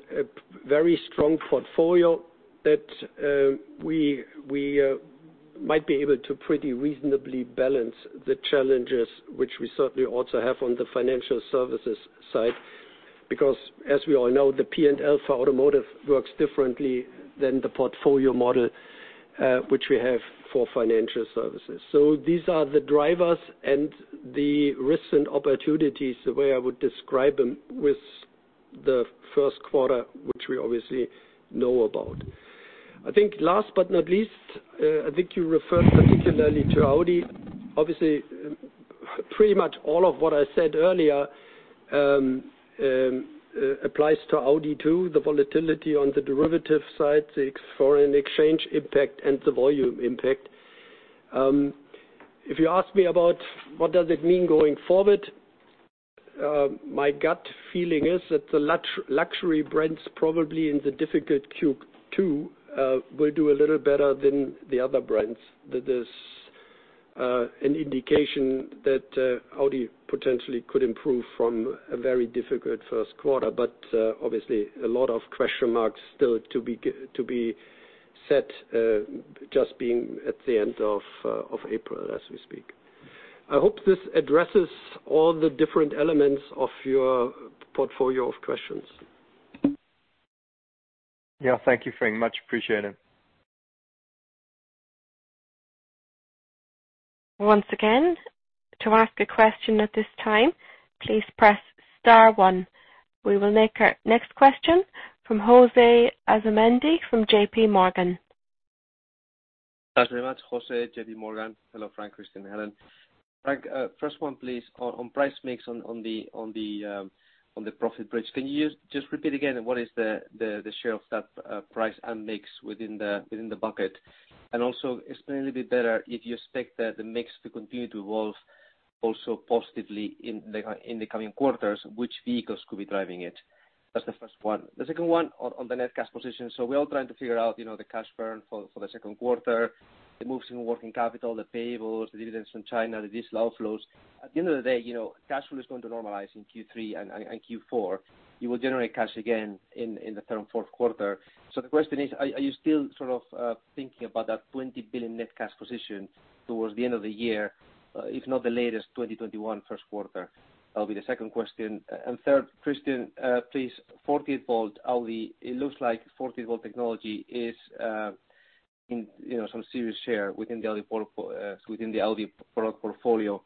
very strong portfolio, that we might be able to pretty reasonably balance the challenges which we certainly also have on the financial services side. Because as we all know, the P&L for automotive works differently than the portfolio model which we have for financial services. These are the drivers and the risks and opportunities, the way I would describe them with the first quarter, which we obviously know about. I think last but not least, I think you referred particularly to Audi. Obviously, pretty much all of what I said earlier applies to Audi, too. The volatility on the derivative side, the foreign exchange impact, and the volume impact. If you ask me about what does it mean going forward, my gut feeling is that the luxury brands probably in the difficult Q2 will do a little better than the other brands. That is an indication that Audi potentially could improve from a very difficult first quarter. Obviously a lot of question marks still to be set, just being at the end of April as we speak. I hope this addresses all the different elements of your portfolio of questions. Yeah. Thank you, Frank, much appreciated. Once again, to ask a question at this time, please press star one. We will make our next question from José Asumendi from JPMorgan. Thanks very much. José, JPMorgan. Hello, Frank, Christian, Helen. Frank, first one, please, on price mix on the profit bridge. Can you just repeat again what is the share of that price and mix within the bucket? Also explain a little bit better if you expect the mix to continue to evolve also positively in the coming quarters, which vehicles could be driving it? That's the first one. The second one on the net cash position. We're all trying to figure out the cash burn for the second quarter, the moves in working capital, the payables, the dividends from China, the diesel outflows. At the end of the day, cash flow is going to normalize in Q3 and Q4. You will generate cash again in the third and fourth quarter. The question is, are you still thinking about that 20 billion net cash position towards the end of the year, if not the latest 2021 first quarter? That'll be the second question. Third, Christian, please, 48 V Audi. It looks like 48 V technology is some serious share within the Audi product portfolio.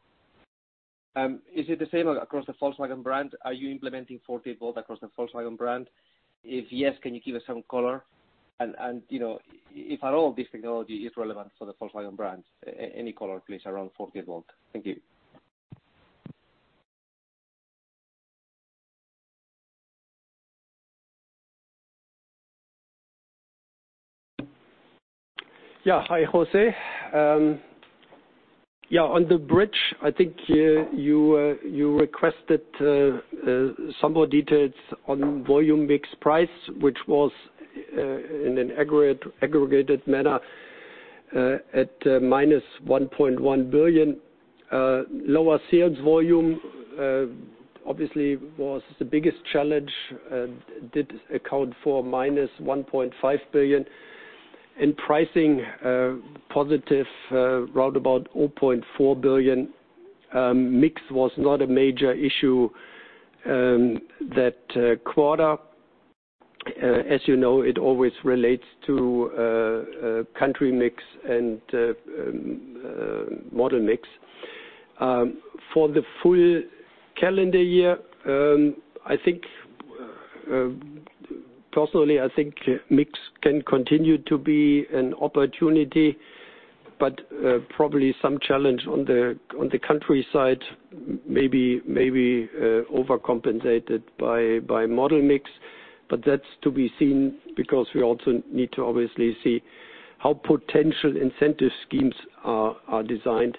Is it the same across the Volkswagen brand? Are you implementing 48 V across the Volkswagen brand? If yes, can you give us some color, and if at all this technology is relevant for the Volkswagen brands, any color please, around 48 V. Thank you. Yeah. Hi, José. Yeah, on the bridge, I think you requested some more details on volume mix price, which was in an aggregated manner at -1.1 billion. Lower sales volume obviously was the biggest challenge, did account for -1.5 billion. In pricing, positive roundabout 0.4 billion. Mix was not a major issue that quarter. As you know, it always relates to country mix and model mix. For the full calendar year, personally, I think mix can continue to be an opportunity, but probably some challenge on the country side may be overcompensated by model mix. That's to be seen because we also need to obviously see how potential incentive schemes are designed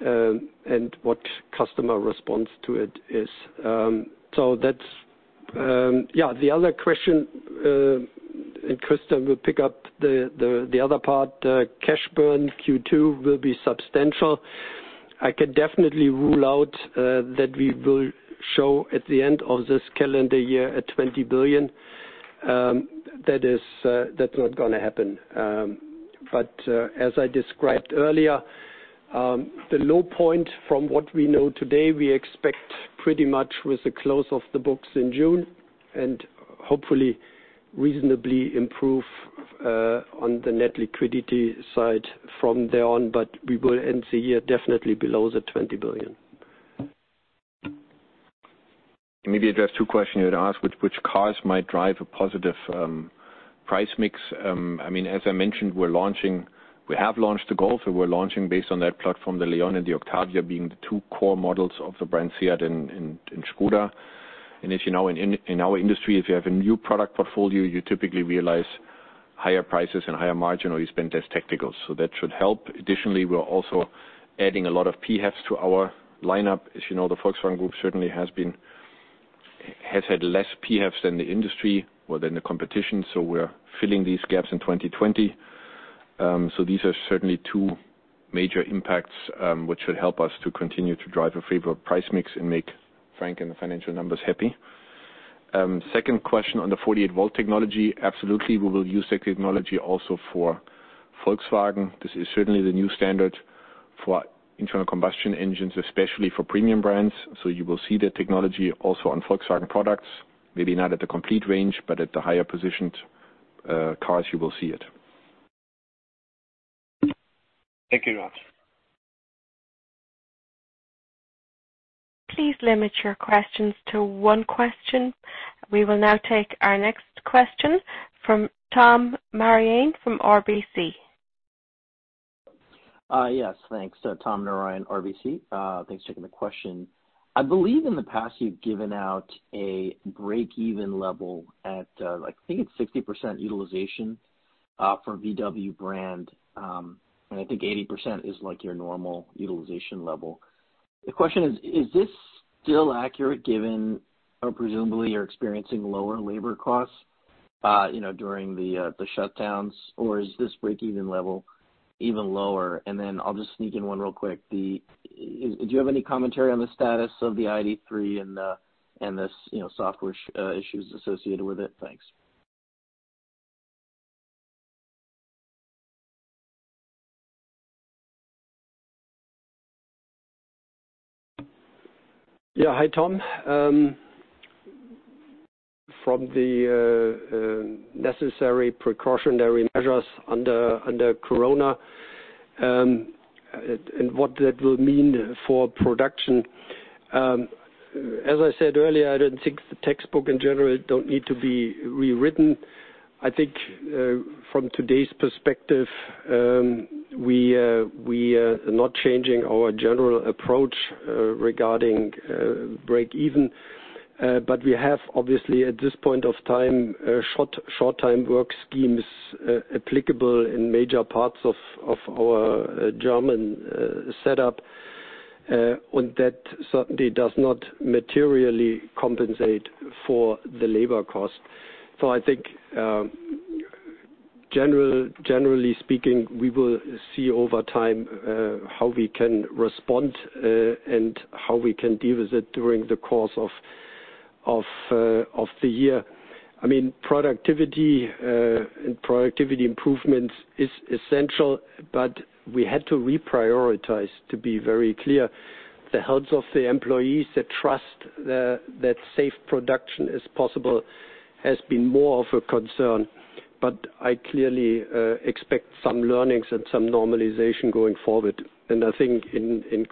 and what customer response to it is. The other question, and Christian will pick up the other part. Cash burn Q2 will be substantial. I can definitely rule out that we will show at the end of this calendar year a 20 billion. That's not going to happen. As I described earlier, the low point from what we know today, we expect pretty much with the close of the books in June, and hopefully reasonably improve on the net liquidity side from there on. We will end the year definitely below the 20 billion. Let me address two questions you had asked. Which cars might drive a positive price mix? As I mentioned, we have launched the Golf. We're launching based on that platform, the Leon and the Octavia being the two core models of the brand SEAT and Škoda. as you know, in our industry, if you have a new product portfolio, you typically realize higher prices and higher margin or you spend less technical, so that should help. Additionally, we're also adding a lot of PHEVs to our lineup. As you know, the Volkswagen Group certainly has had less PHEVs than the industry or than the competition, so we're filling these gaps in 2020. these are certainly two major impacts, which should help us to continue to drive a favorable price mix and make Frank and the financial numbers happy. Second question on the 48 V technology. Absolutely, we will use that technology also for Volkswagen. This is certainly the new standard for internal combustion engines, especially for premium brands. You will see that technology also on Volkswagen products, maybe not at the complete range, but at the higher-positioned cars you will see it. Thank you very much. Please limit your questions to one question. We will now take our next question from Tom Narayan from RBC. Yes, thanks. Tom Narayan, RBC. Thanks for taking the question. I believe in the past you've given out a break-even level at, I think it's 60% utilization for VW brand. I think 80% is your normal utilization level. The question is this still accurate given presumably you're experiencing lower labor costs during the shutdowns, or is this break-even level even lower? I'll just sneak in one real quick. Do you have any commentary on the status of the ID.3 and the software issues associated with it? Thanks. Yeah. Hi, Tom. From the necessary precautionary measures under corona, and what that will mean for production. As I said earlier, I don't think the textbook in general don't need to be rewritten. I think from today's perspective, we are not changing our general approach regarding break even. We have obviously at this point of time, short-time work schemes applicable in major parts of our German setup. That certainly does not materially compensate for the labor cost. I think generally speaking, we will see over time, how we can respond, and how we can deal with it during the course of the year. Productivity improvements is essential, but we had to reprioritize to be very clear. The health of the employees, the trust that safe production is possible has been more of a concern. I clearly expect some learnings and some normalization going forward. I think in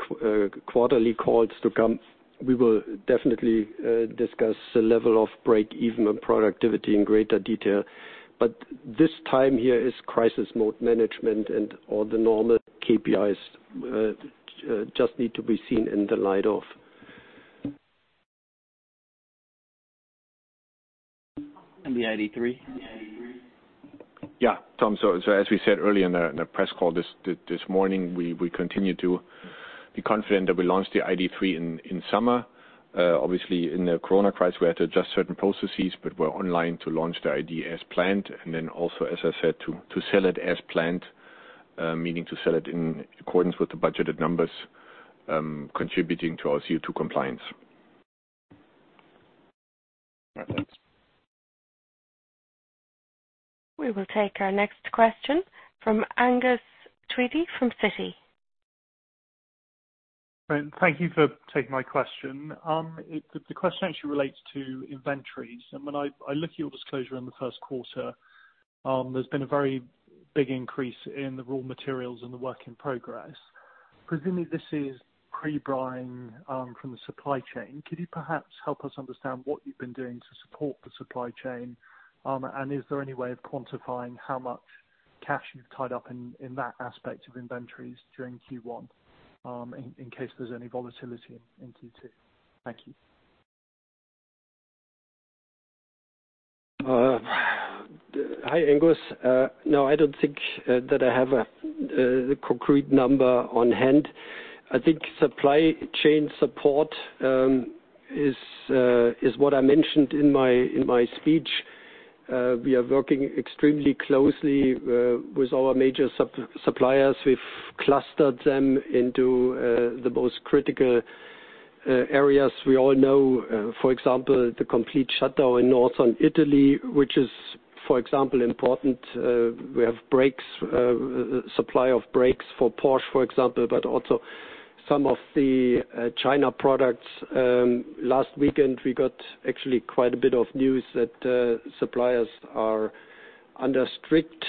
quarterly calls to come, we will definitely discuss the level of break-even productivity in greater detail. This time here is crisis mode management and all the normal KPIs just need to be seen in the light of. The ID.3? Yeah, Tom. As we said earlier in the press call this morning, we continue to be confident that we launch the ID.3 in summer. Obviously, in the corona crisis, we had to adjust certain processes, but we're online to launch the ID as planned. As I said, to sell it as planned, meaning to sell it in accordance with the budgeted numbers, contributing to our CO2 compliance. We will take our next question from Angus Tweedie from Citi. Thank you for taking my question. The question actually relates to inventories. When I look at your disclosure in the first quarter, there's been a very big increase in the raw materials and the work in progress. Presumably this is pre-buying from the supply chain. Could you perhaps help us understand what you've been doing to support the supply chain? Is there any way of quantifying how much cash you've tied up in that aspect of inventories during Q1, in case there's any volatility in Q2? Thank you. Hi, Angus. No, I don't think that I have a concrete number on hand. I think supply chain support is what I mentioned in my speech. We are working extremely closely with our major suppliers. We've clustered them into the most critical areas. We all know, for example, the complete shutdown in Northern Italy, which is, for example, important. We have supply of brakes for Porsche, for example, but also some of the China products. Last weekend, we got actually quite a bit of news that suppliers are under strict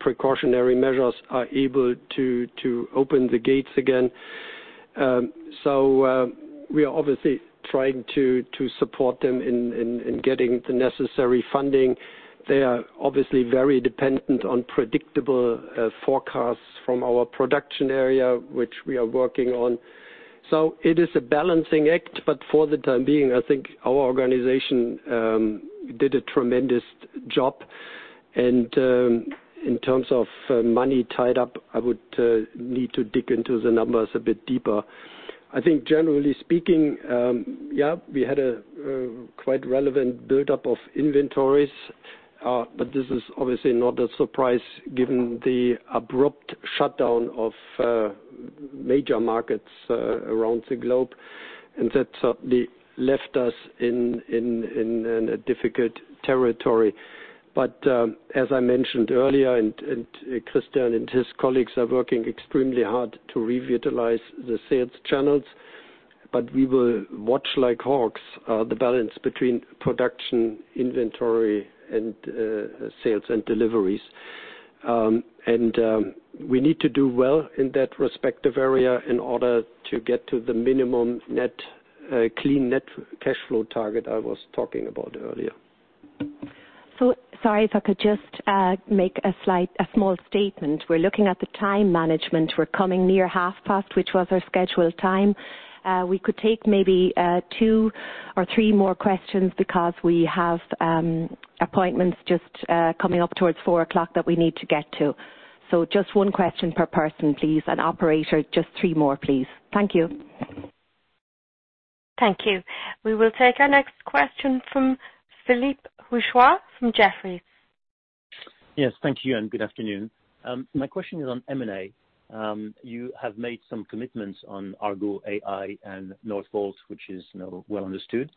precautionary measures, are able to open the gates again. We are obviously trying to support them in getting the necessary funding. They are obviously very dependent on predictable forecasts from our production area, which we are working on. It is a balancing act, but for the time being, I think our organization did a tremendous job. In terms of money tied up, I would need to dig into the numbers a bit deeper. I think generally speaking, yeah, we had a quite relevant buildup of inventories. This is obviously not a surprise given the abrupt shutdown of major markets around the globe. That certainly left us in a difficult territory. As I mentioned earlier, and Christian and his colleagues are working extremely hard to revitalize the sales channels. We will watch like hawks, the balance between production, inventory, and sales and deliveries. We need to do well in that respective area in order to get to the minimum clean net cash flow target I was talking about earlier. Sorry if I could just make a small statement. We're looking at the time management. We're coming near half past, which was our scheduled time. We could take maybe two or three more questions because we have appointments just coming up towards 4:00 o'clock that we need to get to. Just one question per person, please. Operator, just three more, please. Thank you. Thank you. We will take our next question from Philippe Houchois from Jefferies. Yes, thank you, and good afternoon. My question is on M&A. You have made some commitments on Argo AI and Northvolt, which is well understood.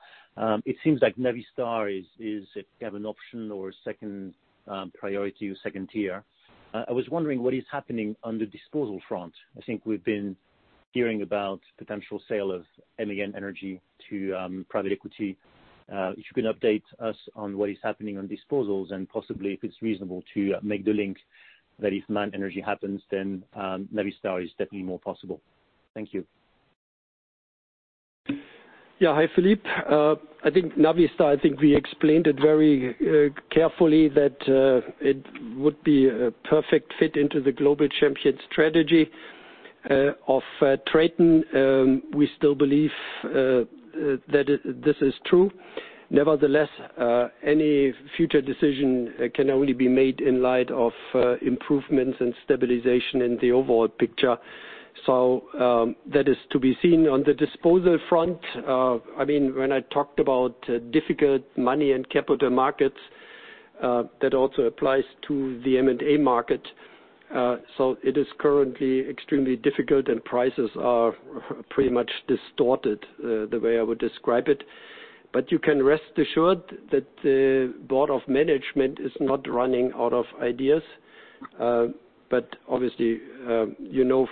It seems like Navistar is, if you have an option or a second priority or second tier. I was wondering what is happening on the disposal front. I think we've been hearing about potential sale of MAN Energy to private equity. If you can update us on what is happening on disposals and possibly if it's reasonable to make the link that if MAN Energy happens, then Navistar is definitely more possible. Thank you. Yeah. Hi, Philippe. I think Navistar, I think we explained it very carefully that it would be a perfect fit into the global champion strategy of TRATON. We still believe that this is true. Nevertheless, any future decision can only be made in light of improvements and stabilization in the overall picture. That is to be seen. On the disposal front, when I talked about difficult money and capital markets, that also applies to the M&A market. It is currently extremely difficult and prices are pretty much distorted, the way I would describe it. You can rest assured that the board of management is not running out of ideas. Obviously, you know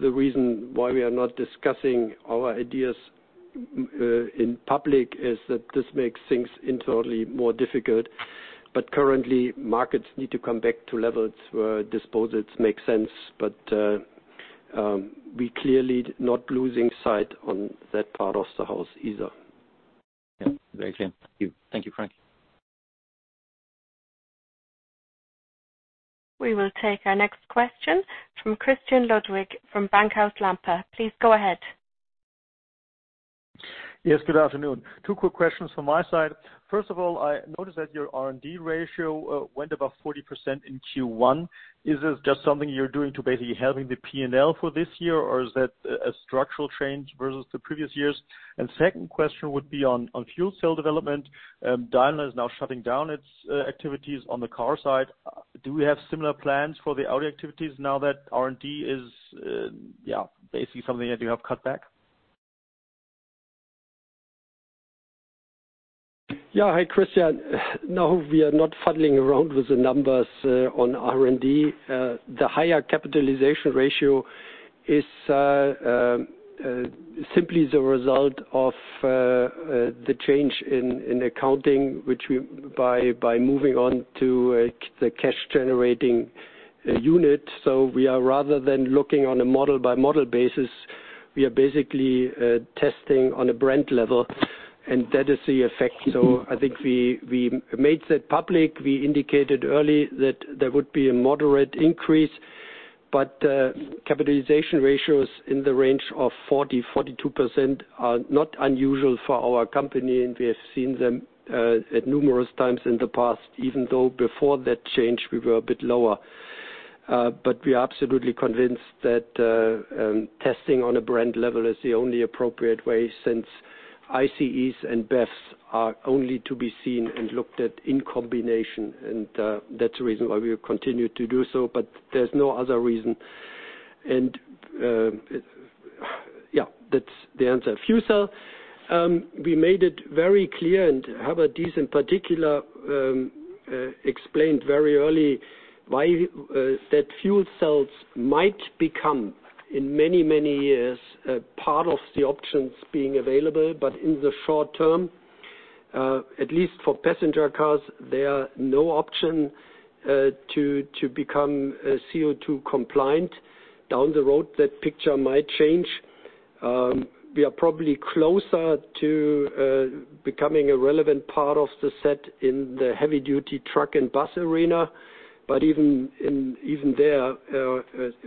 the reason why we are not discussing our ideas in public is that this makes things internally more difficult. Currently, markets need to come back to levels where disposals make sense. We're clearly not losing sight on that part of the house either. Yeah. Very clear. Thank you, Frank. We will take our next question from Christian Ludwig from Bankhaus Lampe. Please go ahead. Yes, good afternoon. Two quick questions from my side. First of all, I noticed that your R&D ratio went above 40% in Q1. Is this just something you're doing to basically helping the P&L for this year, or is that a structural change versus the previous years? Second question would be on fuel cell development. Daimler is now shutting down its activities on the car side. Do we have similar plans for the Audi activities now that R&D is basically something that you have cut back? Yeah. Hi, Christian. No, we are not fiddling around with the numbers on R&D. The higher capitalization ratio is simply the result of the change in accounting by moving on to the cash-generating unit. we are rather than looking on a model-by-model basis, we are basically testing on a brand level, and that is the effect. I think we made that public. We indicated early that there would be a moderate increase, but capitalization ratios in the range of 40%-42% are not unusual for our company, and we have seen them at numerous times in the past, even though before that change we were a bit lower. we are absolutely convinced that testing on a brand level is the only appropriate way since ICEs and BEVs are only to be seen and looked at in combination. that's the reason why we continue to do so. There's no other reason. Yeah, that's the answer. Fuel cell. We made it very clear and Herbert Diess in particular, explained very early that fuel cells might become, in many, many years, part of the options being available. In the short term, at least for passenger cars, they are no option to become CO2 compliant. Down the road, that picture might change. We are probably closer to becoming a relevant part of the set in the heavy-duty truck and bus arena. Even there,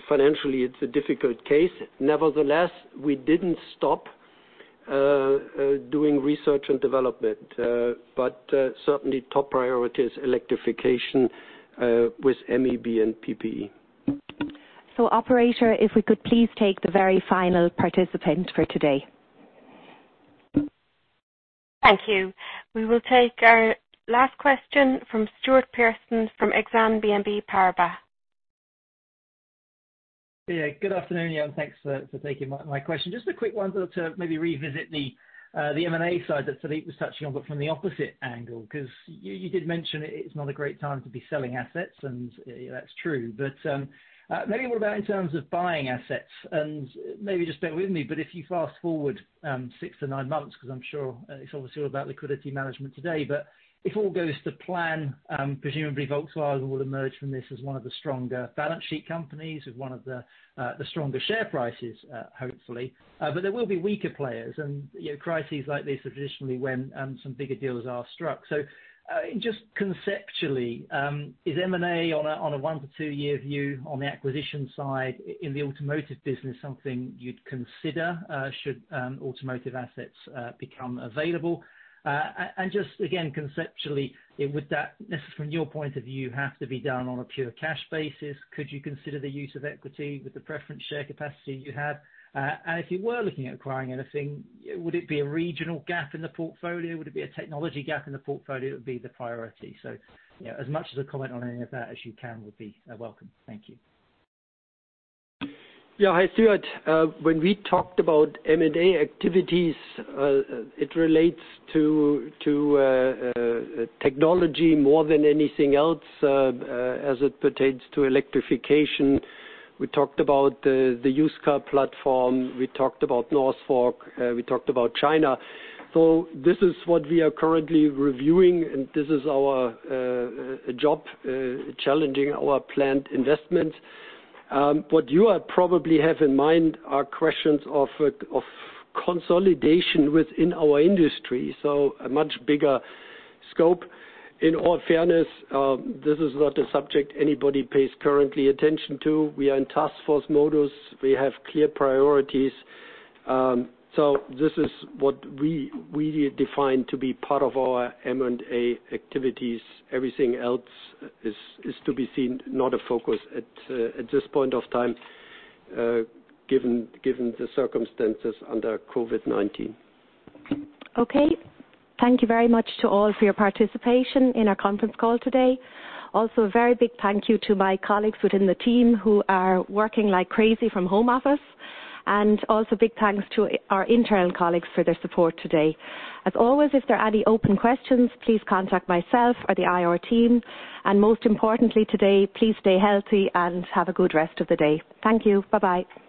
financially, it's a difficult case. Nevertheless, we didn't stop doing research and development. Certainly top priority is electrification with MEB and PPE. Operator, if we could please take the very final participant for today. Thank you. We will take our last question from Stuart Pearson from Exane BNP Paribas. Yeah. Good afternoon, and thanks for taking my question. Just a quick one to maybe revisit the M&A side that Philippe was touching on, but from the opposite angle, because you did mention it's not a great time to be selling assets, and that's true. Maybe more about in terms of buying assets and maybe just bear with me, but if you fast-forward six to nine months, because I'm sure it's obviously all about liquidity management today, but if all goes to plan, presumably Volkswagen will emerge from this as one of the stronger balance sheet companies with one of the stronger share prices, hopefully. There will be weaker players and crises like this are traditionally when some bigger deals are struck. Just conceptually, is M&A on a one to two-year view on the acquisition side in the automotive business something you'd consider should automotive assets become available? Just again, conceptually, would that necessarily from your point of view, have to be done on a pure cash basis? Could you consider the use of equity with the preference share capacity you have? If you were looking at acquiring anything, would it be a regional gap in the portfolio? Would it be a technology gap in the portfolio that would be the priority? As much as a comment on any of that as you can would be welcome. Thank you. Yeah. Hi, Stuart. When we talked about M&A activities, it relates to technology more than anything else as it pertains to electrification. We talked about the used car platform. We talked about Northvolt. We talked about China. this is what we are currently reviewing, and this is our job, challenging our planned investment. What you probably have in mind are questions of consolidation within our industry. a much bigger scope. In all fairness, this is not a subject anybody pays currently attention to. We are in task force modus. We have clear priorities. this is what we define to be part of our M&A activities. Everything else is to be seen, not a focus at this point of time given the circumstances under COVID-19. Okay. Thank you very much to all for your participation in our conference call today. Also, a very big thank you to my colleagues within the team who are working like crazy from home office, and also big thanks to our internal colleagues for their support today. As always, if there are any open questions, please contact myself or the IR team, and most importantly today, please stay healthy and have a good rest of the day. Thank you. Bye-bye.